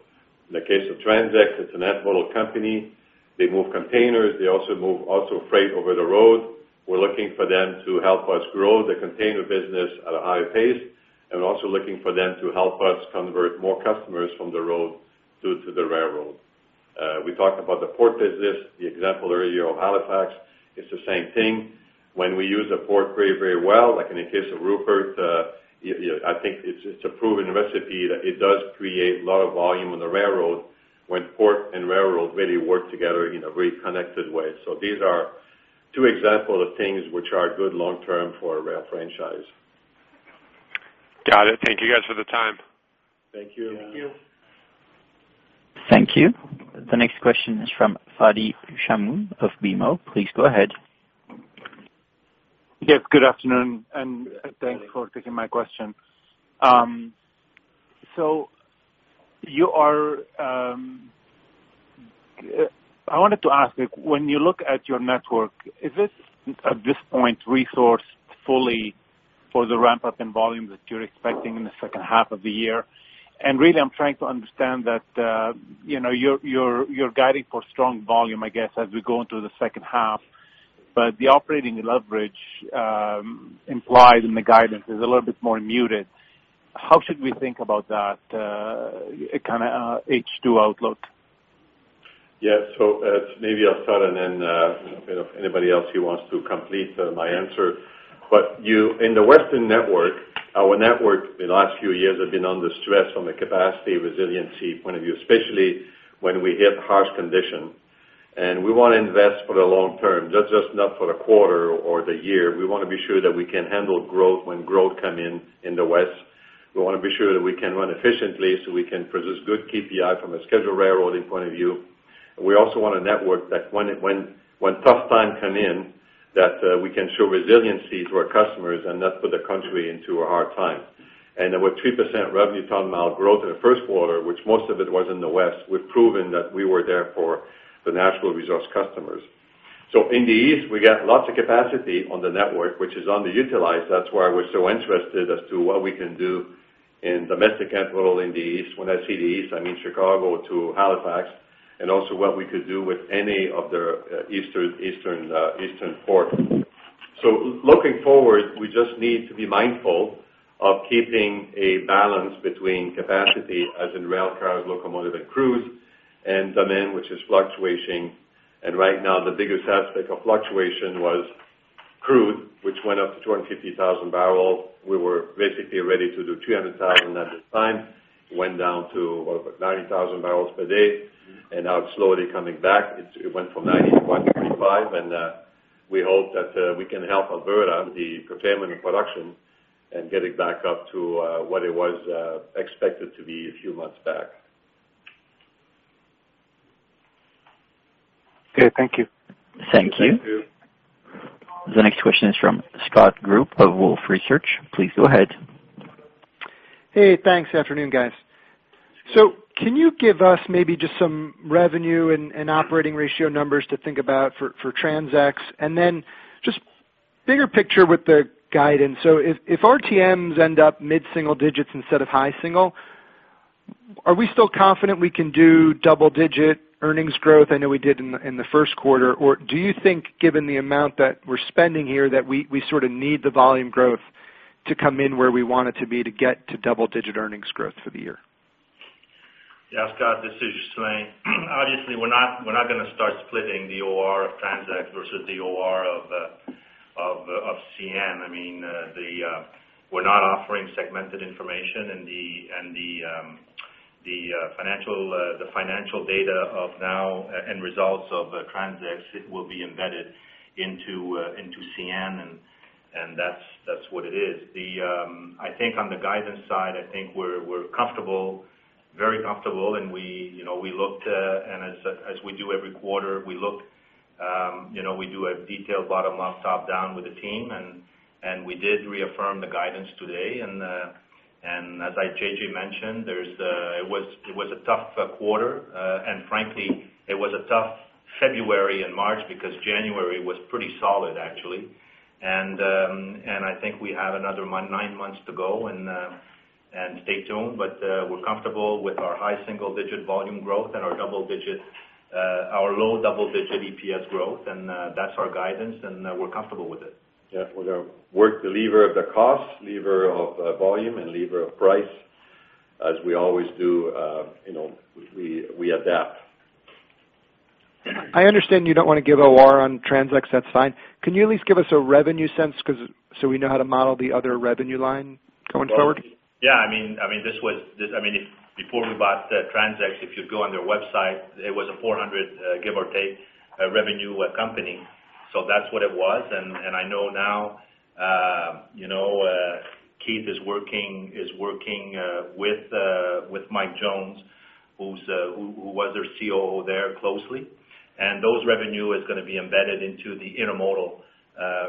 in the case of TransX, it's a multimodal company. They move containers, they also move freight over the road. We're looking for them to help us grow the container business at a higher pace, and we're also looking for them to help us convert more customers from the road to the railroad. We talked about the port business, the example earlier of Halifax. It's the same thing. When we use the port very, very well, like in the case of Rupert, I think it's, it's a proven recipe that it does create a lot of volume on the railroad when port and railroad really work together in a very connected way. So these are two examples of things which are good long-term for our rail franchise. Got it. Thank you, guys, for the time. Thank you. Thank you. Thank you. The next question is from Fadi Chamoun of BMO. Please go ahead. Yes, good afternoon, and thanks for taking my question. I wanted to ask, when you look at your network, is this, at this point, resourced fully for the ramp-up in volume that you're expecting in the second half of the year? And really, I'm trying to understand that, you know, you're guiding for strong volume, I guess, as we go into the second half, but the operating leverage implied in the guidance is a little bit more muted. How should we think about that, kind of, H2 outlook? Yeah. So, maybe I'll start and then, you know, anybody else who wants to complete my answer. But you, in the Western network, our network in the last few years have been under stress from a capacity resiliency point of view, especially when we hit harsh condition. And we want to invest for the long term, not just, not for the quarter or the year. We want to be sure that we can handle growth when growth come in, in the West. We want to be sure that we can run efficiently, so we can produce good KPI from a scheduled railroading point of view. We also want a network that when tough time come in, that we can show resiliency to our customers and not put the country into a hard time. With 3% revenue ton mile growth in the Q1, which most of it was in the West, we've proven that we were there for the natural resource customers. So in the East, we got lots of capacity on the network, which is underutilized. That's why we're so interested as to what we can do in domestic intermodal in the East. When I say the East, I mean Chicago to Halifax, and also what we could do with any of the Eastern port. So looking forward, we just need to be mindful of keeping a balance between capacity, as in rail cars, locomotives and crews, and demand, which is fluctuating. And right now, the biggest aspect of fluctuation was crude, which went up to 250,000 barrels. We were basically ready to do 300,000 at the time. It went down to, what, about 90,000 barrels per day, and now it's slowly coming back. It went from 90 to 135, and we hope that we can help Alberta, the containment production, and get it back up to what it was expected to be a few months back. Okay. Thank you. Thank you. Thank you. The next question is from Scott Group of Wolfe Research. Please go ahead. Hey, thanks. Afternoon, guys. So can you give us maybe just some revenue and operating ratio numbers to think about for TransX? And then just bigger picture with the guidance. So if RTMs end up mid-single digits instead of high single, are we still confident we can do double-digit earnings growth? I know we did in the Q1. Or do you think, given the amount that we're spending here, that we sort of need the volume growth to come in where we want it to be to get to double-digit earnings growth for the year? Yeah, Scott, this is Gilles Tremblay. Obviously, we're not gonna start splitting the OR of TransX versus the OR of CN. I mean, we're not offering segmented information, and the financial data and results of TransX will be embedded into CN, and that's what it is. I think on the guidance side, I think we're comfortable, very comfortable, and we, you know, we looked, and as we do every quarter, we look- You know, we do a detailed bottom up, top down with the team, and we did reaffirm the guidance today. And as JJ mentioned, it was a tough quarter. Frankly, it was a tough February and March, because January was pretty solid, actually. And I think we have another nine months to go, and stay tuned. But we're comfortable with our high single digit volume growth and our low double digit EPS growth, and that's our guidance, and we're comfortable with it. Yeah, we're gonna work the lever of the cost, lever of volume and lever of price, as we always do, you know, we adapt. I understand you don't wanna give OR on TransX, that's fine. Can you at least give us a revenue sense, 'cause so we know how to model the other revenue line going forward? Yeah. I mean, this was this, I mean, if before we bought TransX, if you go on their website, it was a $400, give or take, revenue company. So that's what it was. And I know now, you know, Keith is working with Mike Jones, who was their COO there closely. And those revenue is gonna be embedded into the intermodal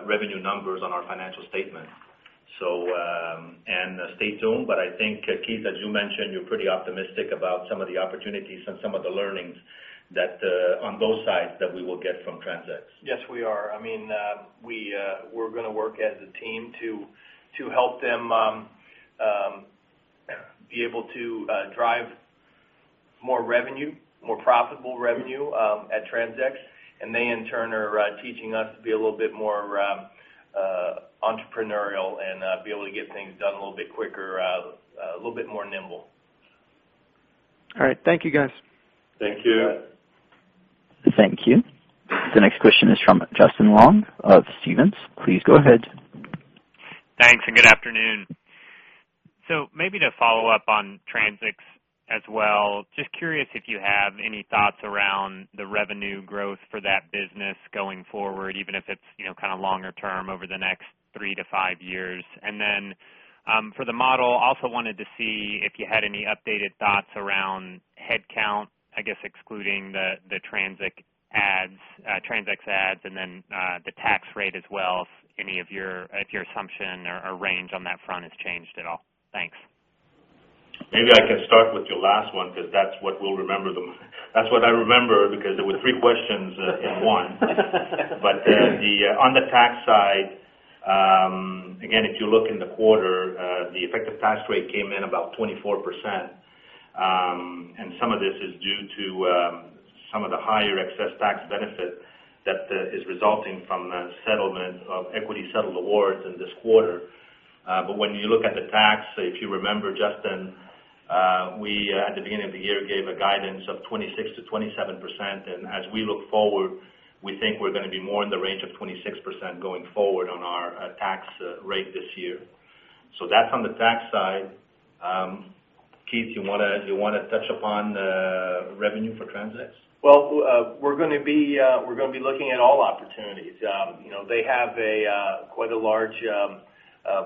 revenue numbers on our financial statement. So, and stay tuned, but I think Keith, as you mentioned, you're pretty optimistic about some of the opportunities and some of the learnings that on both sides that we will get from TransX. Yes, we are. I mean, we're gonna work as a team to help them be able to drive more revenue, more profitable revenue at TransX, and they in turn are teaching us to be a little bit more entrepreneurial and be able to get things done a little bit quicker, a little bit more nimble. All right. Thank you, guys. Thank you. Thank you. Thank you. The next question is from Justin Long of Stephens. Please go ahead. Thanks, and good afternoon. So maybe to follow up on TransX as well, just curious if you have any thoughts around the revenue growth for that business going forward, even if it's, you know, kind of longer term over the next 3-5 years? And then, for the model, also wanted to see if you had any updated thoughts around headcount, I guess, excluding the, the TransX adds, TransX adds, and then, the tax rate as well, if your assumption or range on that front has changed at all. Thanks. Maybe I can start with your last one, 'cause that's what we'll remember the most. That's what I remember, because there were three questions in one. But on the tax side, again, if you look in the quarter, the effective tax rate came in about 24%. And some of this is due to some of the higher excess tax benefit that is resulting from a settlement of equity settled awards in this quarter. But when you look at the tax, if you remember, Justin, we at the beginning of the year gave a guidance of 26%-27%, and as we look forward, we think we're gonna be more in the range of 26% going forward on our tax rate this year. So that's on the tax side. Keith, you wanna touch upon revenue for TransX? Well, we're gonna be looking at all opportunities. You know, they have quite a large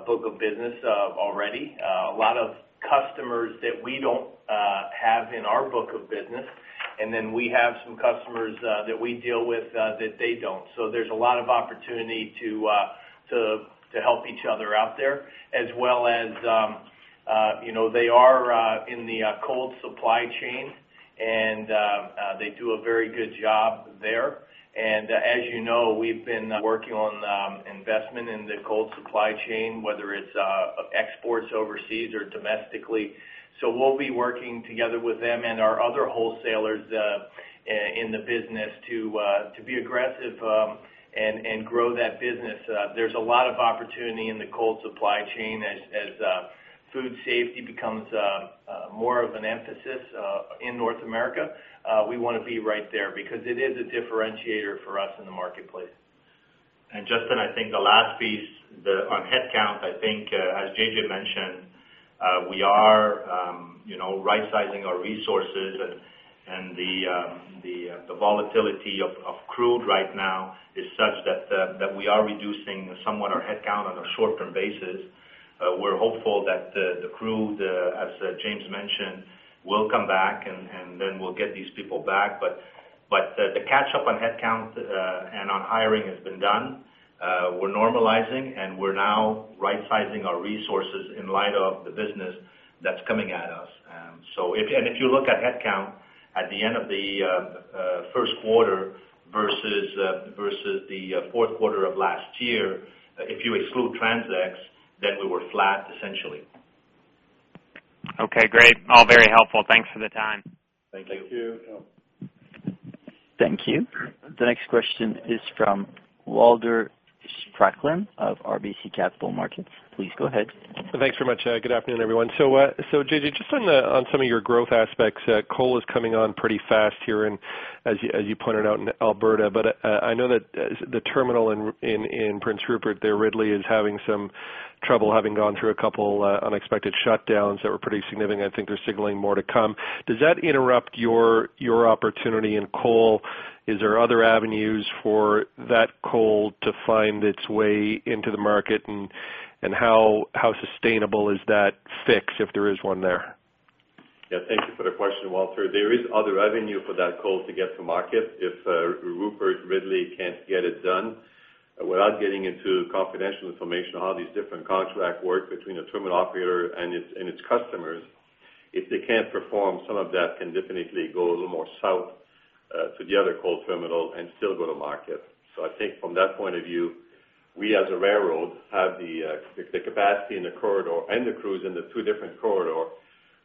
book of business already. A lot of customers that we don't have in our book of business, and then we have some customers that we deal with that they don't. So there's a lot of opportunity to help each other out there, as well as, you know, they are in the cold supply chain, and they do a very good job there. And as you know, we've been working on investment in the cold supply chain, whether it's exports overseas or domestically. So we'll be working together with them and our other wholesalers in the business to be aggressive and grow that business. There's a lot of opportunity in the cold supply chain as food safety becomes more of an emphasis in North America. We wanna be right there because it is a differentiator for us in the marketplace. Justin, I think the last piece on headcount, I think, as JJ mentioned, we are, you know, rightsizing our resources and the volatility of crude right now is such that we are reducing somewhat our headcount on a short-term basis. We're hopeful that the crude, as James mentioned, will come back and then we'll get these people back. But the catch up on headcount and on hiring has been done. We're normalizing, and we're now rightsizing our resources in light of the business that's coming at us. So if... and if you look at headcount at the end of the Q1 versus the Q4 of last year, if you exclude TransX, then we were flat, essentially. Okay, great. All very helpful. Thanks for the time. Thank you. Thank you. Thank you. The next question is from Walter Spracklin of RBC Capital Markets. Please go ahead. Thanks very much. Good afternoon, everyone. So, so JJ, just on the- on some of your growth aspects, coal is coming on pretty fast here and as you, as you pointed out in Alberta. But, I know that, the terminal in r- in, in Prince Rupert there, Ridley, is having some trouble having gone through a couple, unexpected shutdowns that were pretty significant. I think they're signaling more to come. Does that interrupt your, your opportunity in coal? Is there other avenues for that coal to find its way into the market? And, and how, how sustainable is that fix, if there is one there?... Yeah, thank you for the question, Walter. There is another avenue for that coal to get to market if Prince Rupert, Ridley can't get it done. Without getting into confidential information on how these different contracts work between a terminal operator and its customers, if they can't perform, some of that can definitely go a little more south to the other coal terminal and still go to market. So I think from that point of view, we as a railroad have the capacity in the corridor and the crews in the two different corridors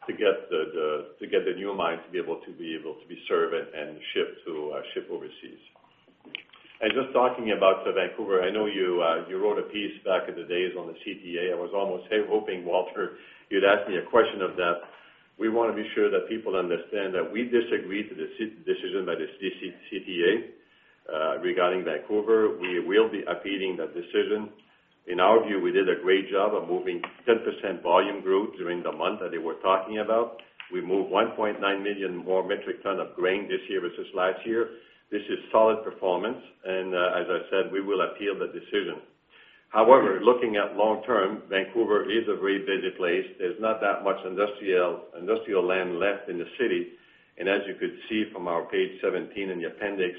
to get the new mine to be able to be served and shipped to ship overseas. And just talking about Vancouver, I know you wrote a piece back in the days on the CTA. I was almost hoping, Walter, you'd ask me a question of that. We want to be sure that people understand that we disagree to the decision by the CTA, regarding Vancouver. We will be appealing that decision. In our view, we did a great job of moving 10% volume growth during the month that they were talking about. We moved 1.9 million more metric ton of grain this year versus last year. This is solid performance, and, as I said, we will appeal the decision. However, looking at long term, Vancouver is a very busy place. There's not that much industrial land left in the city, and as you could see from our page 17 in the appendix,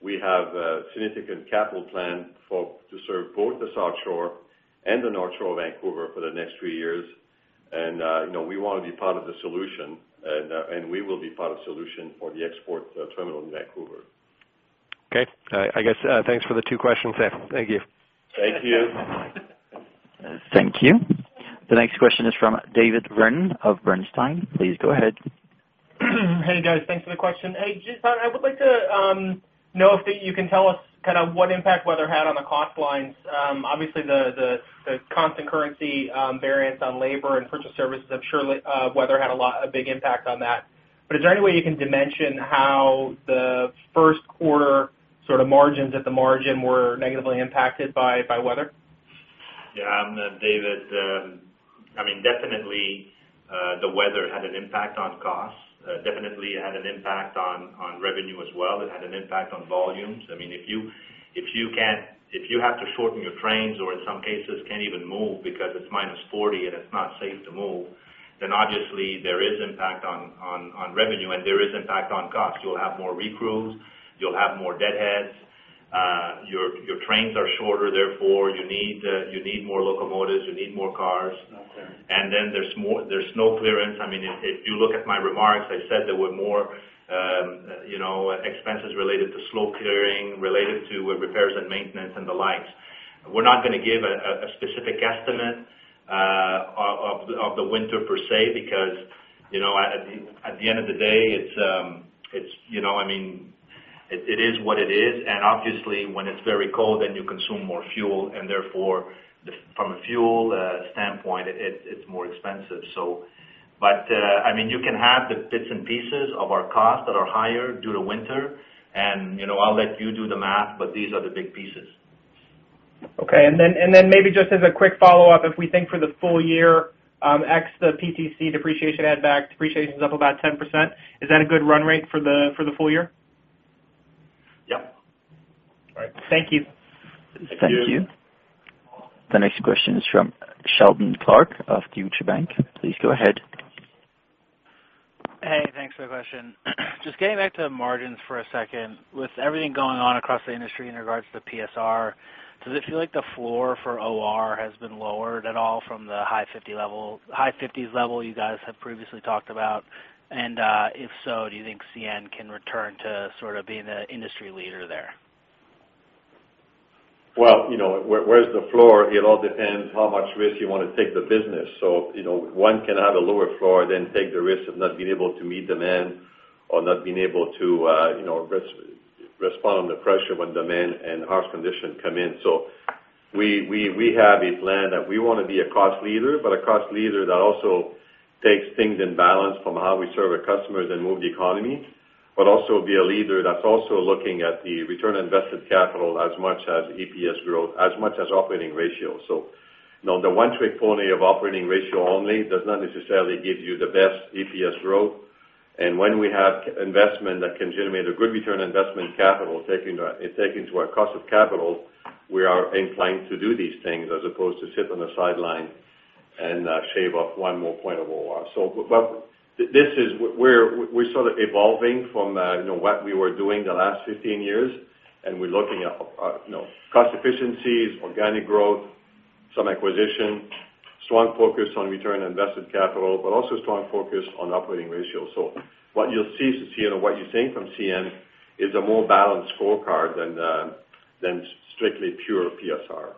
we have significant capital plan to serve both the South Shore and the North Shore of Vancouver for the next three years. You know, we want to be part of the solution, and we will be part of solution for the export terminal in Vancouver. Okay. I guess, thanks for the two questions then. Thank you. Thank you. Thank you. The next question is from David Vernon of Bernstein. Please go ahead. Hey, guys. Thanks for the question. Hey, just, I would like to know if you can tell us kind of what impact weather had on the cost lines? Obviously, the constant currency variance on labor and purchase services, I'm sure, weather had a lot, a big impact on that. But is there any way you can dimension how the Q1 sort of margins at the margin were negatively impacted by weather? Yeah, David, I mean, definitely, the weather had an impact on costs. Definitely, it had an impact on revenue as well. It had an impact on volumes. I mean, if you can't—if you have to shorten your trains, or in some cases, can't even move because it's minus 40 and it's not safe to move, then obviously there is impact on revenue, and there is impact on costs. You'll have more recrews, you'll have more deadheads, your trains are shorter, therefore, you need more locomotives, you need more cars. Okay. Then there's more—there's snow clearance. I mean, if you look at my remarks, I said there were more, you know, expenses related to snow clearing, related to repairs and maintenance, and the like. We're not gonna give a specific estimate of the winter per se, because, you know, at the end of the day, it's, you know, I mean, it is what it is. And obviously, when it's very cold, then you consume more fuel, and therefore, from a fuel standpoint, it's more expensive, so. But, I mean, you can have the bits and pieces of our costs that are higher due to winter, and, you know, I'll let you do the math, but these are the big pieces. Okay. And then, and then maybe just as a quick follow-up, if we think for the full year, X, the PTC depreciation, add back, depreciation's up about 10%. Is that a good run rate for the, for the full year? Yep. All right. Thank you. Thank you. Thank you. The next question is from Seldon Clarke of Deutsche Bank. Please go ahead. Hey, thanks for the question. Just getting back to margins for a second. With everything going on across the industry in regards to the PSR, does it feel like the floor for OR has been lowered at all from the high fifty level-- high fifties level you guys have previously talked about? And, if so, do you think CN can return to sort of being the industry leader there? Well, you know, where's the floor? It all depends how much risk you want to take the business. So, you know, one can have a lower floor, then take the risk of not being able to meet demand or not being able to, you know, respond under pressure when demand and harsh conditions come in. So we have a plan that we wanna be a cost leader, but a cost leader that also takes things in balance from how we serve our customers and move the economy, but also be a leader that's also looking at the return on invested capital as much as EPS growth, as much as operating ratio. So, you know, the one-trick pony of operating ratio only does not necessarily give you the best EPS growth. When we have investment that can generate a good return on investment capital, taking to our cost of capital, we are inclined to do these things as opposed to sit on the sideline and shave off one more point of OR. But this is what we're, we're sort of evolving from what we were doing the last 15 years, and we're looking at cost efficiencies, organic growth, some acquisition, strong focus on return on invested capital, but also strong focus on operating ratio. So what you'll see from CN, or what you're seeing from CN, is a more balanced scorecard than than strictly pure PSR.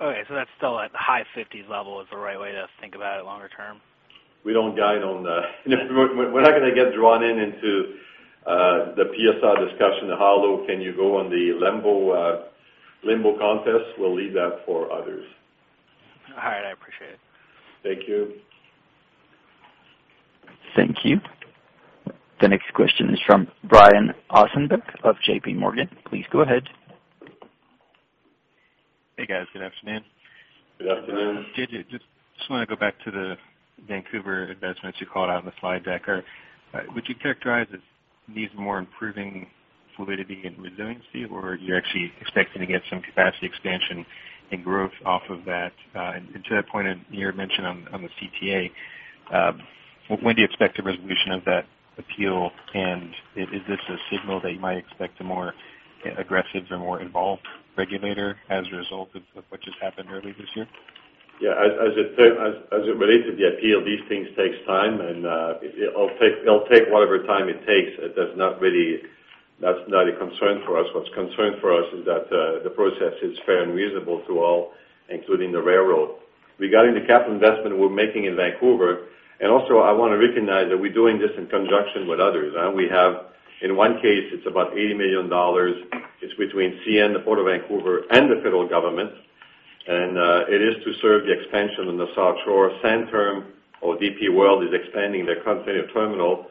Okay, so that's still at the high 50s level, is the right way to think about it longer term? We don't guide on the. We're not gonna get drawn in into the PSR discussion, how low can you go on the limbo limbo contest? We'll leave that for others. All right, I appreciate it. Thank you. Thank you. The next question is from Brian Osenbeck of J.P. Morgan. Please go ahead. Hey, guys. Good afternoon. Good afternoon. JJ, just, just wanna go back to the Vancouver investments you called out in the slide deck. Or, would you characterize if these more improving-... fluidity and resiliency, or are you actually expecting to get some capacity expansion and growth off of that? And to that point, and your mention on the CTA, when do you expect the resolution of that appeal? And is this a signal that you might expect a more aggressive or more involved regulator as a result of what just happened earlier this year? Yeah. As it relates to the appeal, these things takes time, and it'll take whatever time it takes. It does not really-- That's not a concern for us. What's a concern for us is that the process is fair and reasonable to all, including the railroad. Regarding the capital investment we're making in Vancouver, and also I wanna recognize that we're doing this in conjunction with others, we have, in one case, it's about $80 million. It's between CN, the Port of Vancouver, and the federal government, and it is to serve the expansion in the South Shore. Centerm or DP World is expanding their container terminal.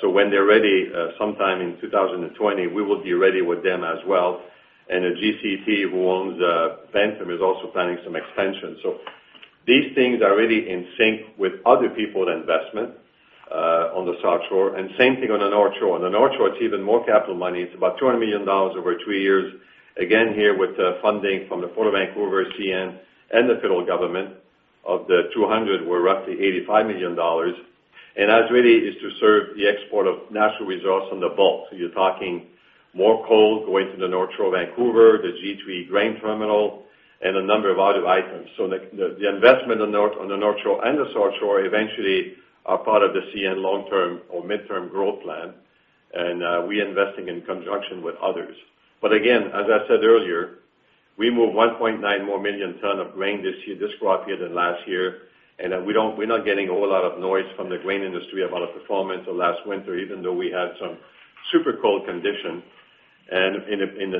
So when they're ready, sometime in 2020, we will be ready with them as well. The GCT, who owns Vanterm, is also planning some expansion. So these things are really in sync with other people's investment on the South Shore, and same thing on the North Shore. On the North Shore, it's even more capital money. It's about $200 million over two years. Again, here with the funding from the Port of Vancouver, CN, and the federal government. Of the $200 million, we're roughly $85 million, and that's really is to serve the export of natural resources on the bulk. So you're talking more coal going to the North Shore, Vancouver, the G3 Grain Terminal, and a number of other items. So the investment on the North Shore and the South Shore eventually are part of the CN long-term or midterm growth plan, and we're investing in conjunction with others. But again, as I said earlier, we moved 1.9 million more tons of grain this year, this quarter than last year, and we're not getting a whole lot of noise from the grain industry about our performance last winter, even though we had some super cold conditions. And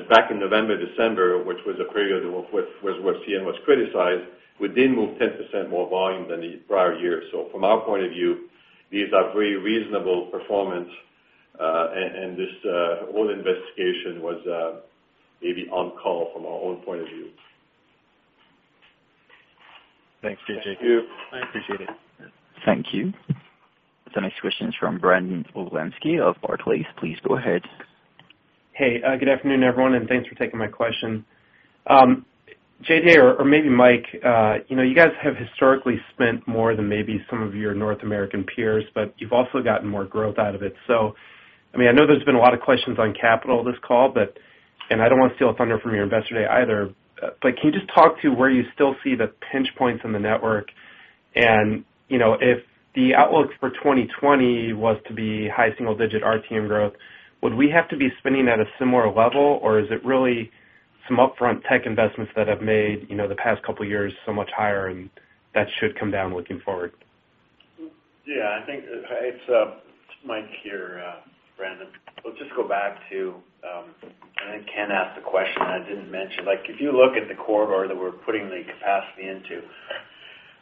back in November, December, which was a period where CN was criticized, we did move 10% more volume than the prior year. So from our point of view, these are very reasonable performance, and this whole investigation was maybe overkill from our own point of view. Thanks, JJ. Thank you. I appreciate it. Thank you. The next question is from Brandon Oglenski of Barclays. Please go ahead. Hey, good afternoon, everyone, and thanks for taking my question. JJ, or, or maybe Mike, you know, you guys have historically spent more than maybe some of your North American peers, but you've also gotten more growth out of it. So, I mean, I know there's been a lot of questions on capital this call, but and I don't want to steal thunder from your investor day either, but can you just talk to where you still see the pinch points in the network? And, you know, if the outlook for 2020 was to be high single-digit RTM growth, would we have to be spending at a similar level, or is it really some upfront tech investments that have made, you know, the past couple of years so much higher and that should come down looking forward? Yeah, I think it's Mike here, Brandon. So just go back to. I think Ken asked a question I didn't mention. Like, if you look at the corridor that we're putting the capacity into,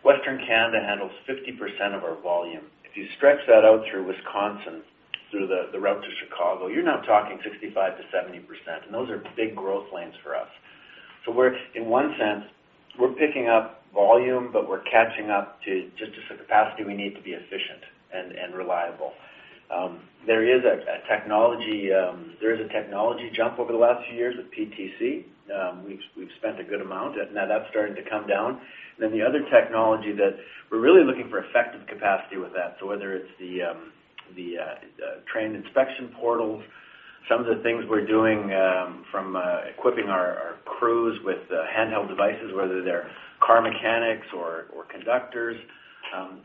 Western Canada handles 50% of our volume. If you stretch that out through Wisconsin, through the route to Chicago, you're now talking 65%-70%, and those are big growth lanes for us. So we're, in one sense, we're picking up volume, but we're catching up to just the capacity we need to be efficient and reliable. There is a technology jump over the last few years with PTC. We've spent a good amount, and now that's starting to come down. Then the other technology that we're really looking for effective capacity with that, so whether it's the train inspection portals, some of the things we're doing from equipping our crews with handheld devices, whether they're car mechanics or conductors,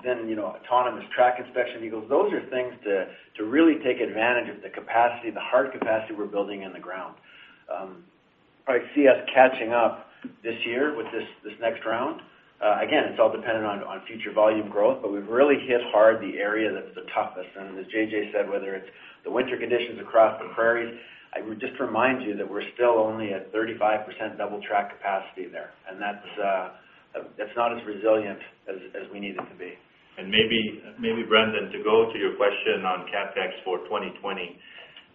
then, you know, autonomous track inspection vehicles. Those are things to really take advantage of the capacity, the hard capacity we're building in the ground. Probably see us catching up this year with this next round. Again, it's all dependent on future volume growth, but we've really hit hard the area that's the toughest. And as JJ said, whether it's the winter conditions across the Prairies, I would just remind you that we're still only at 35% double track capacity there, and that's not as resilient as we need it to be. Maybe, Brandon, to go to your question on CapEx for 2020.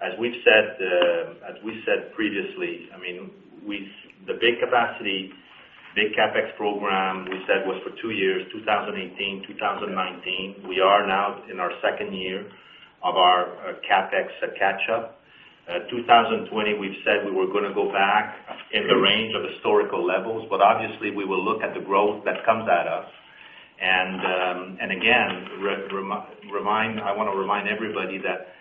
As we've said, as we said previously, I mean, we, the big capacity, big CapEx program, we said, was for two years, 2018, 2019. We are now in our second year of our CapEx catch up. 2020, we've said we were gonna go back in the range of historical levels, but obviously, we will look at the growth that comes at us. And again, I wanna remind everybody that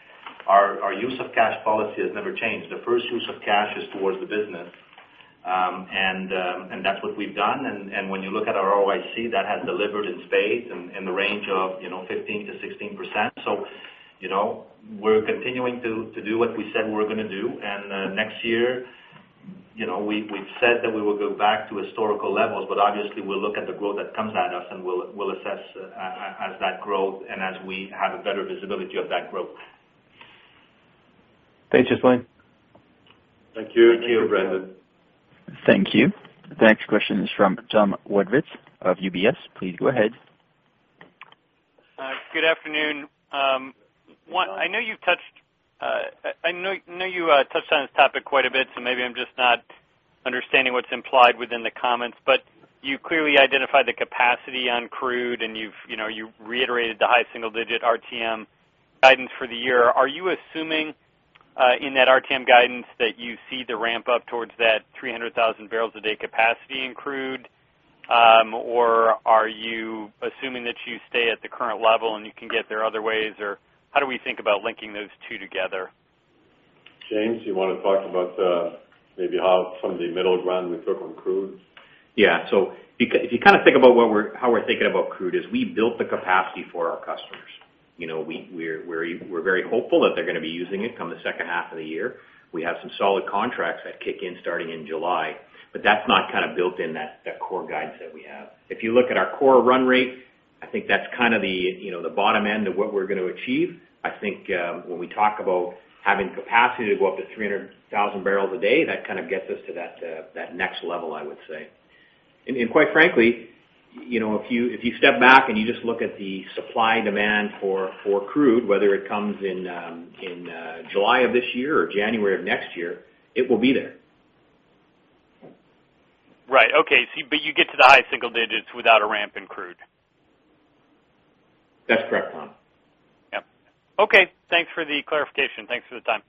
our use of cash policy has never changed. The first use of cash is towards the business, and that's what we've done. When you look at our ROIC, that has delivered in spades in the range of, you know, 15%-16%. So, you know, we're continuing to do what we said we were gonna do. Next year, you know, we've said that we will go back to historical levels, but obviously, we'll look at the growth that comes at us, and we'll assess as that grows and as we have a better visibility of that growth. Thanks, just fine. Thank you. Thank you, Brandon. Thank you. The next question is from Tom Wadewitz of UBS. Please go ahead. Good afternoon. I know you've touched on this topic quite a bit, so maybe I'm just not-... understanding what's implied within the comments, but you clearly identified the capacity on crude, and you've, you know, you reiterated the high single digit RTM guidance for the year. Are you assuming in that RTM guidance that you see the ramp up towards that 300,000 barrels a day capacity in crude? Or are you assuming that you stay at the current level and you can get there other ways? Or how do we think about linking those two together? James, you wanna talk about, maybe how some of the middle ground we took on crude? Yeah. So if you, if you kind of think about what we're-- how we're thinking about crude, is we built the capacity for our customers. You know, we're very hopeful that they're gonna be using it come the second half of the year. We have some solid contracts that kick in starting in July, but that's not kind of built in that core guidance that we have. If you look at our core run rate, I think that's kind of the, you know, the bottom end of what we're gonna achieve. I think, when we talk about having capacity to go up to 300,000 barrels a day, that kind of gets us to that, that next level, I would say. Quite frankly, you know, if you, if you step back and you just look at the supply-demand for crude, whether it comes in in July of this year or January of next year, it will be there. Right. Okay. See, but you get to the high single digits without a ramp in crude? That's correct, Tom. Yep. Okay, thanks for the clarification. Thanks for the time.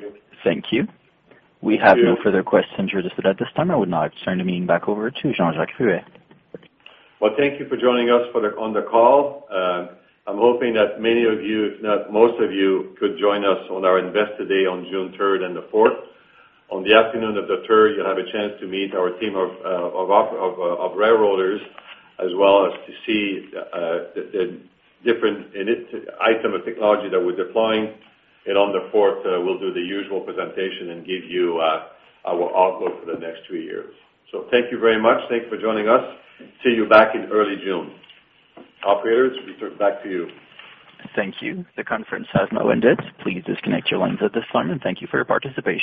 Thank you. Thank you. We have no further questions registered at this time. I would now turn the meeting back over to Jean-Jacques Ruest. Well, thank you for joining us on the call. I'm hoping that many of you, if not most of you, could join us on our Investor Day on June third and the fourth. On the afternoon of the third, you'll have a chance to meet our team of railroaders, as well as to see the different items of technology that we're deploying. On the fourth, we'll do the usual presentation and give you our outlook for the next two years. So thank you very much. Thanks for joining us. See you back in early June. Operators, we turn it back to you. Thank you. The conference has now ended. Please disconnect your lines at this time, and thank you for your participation.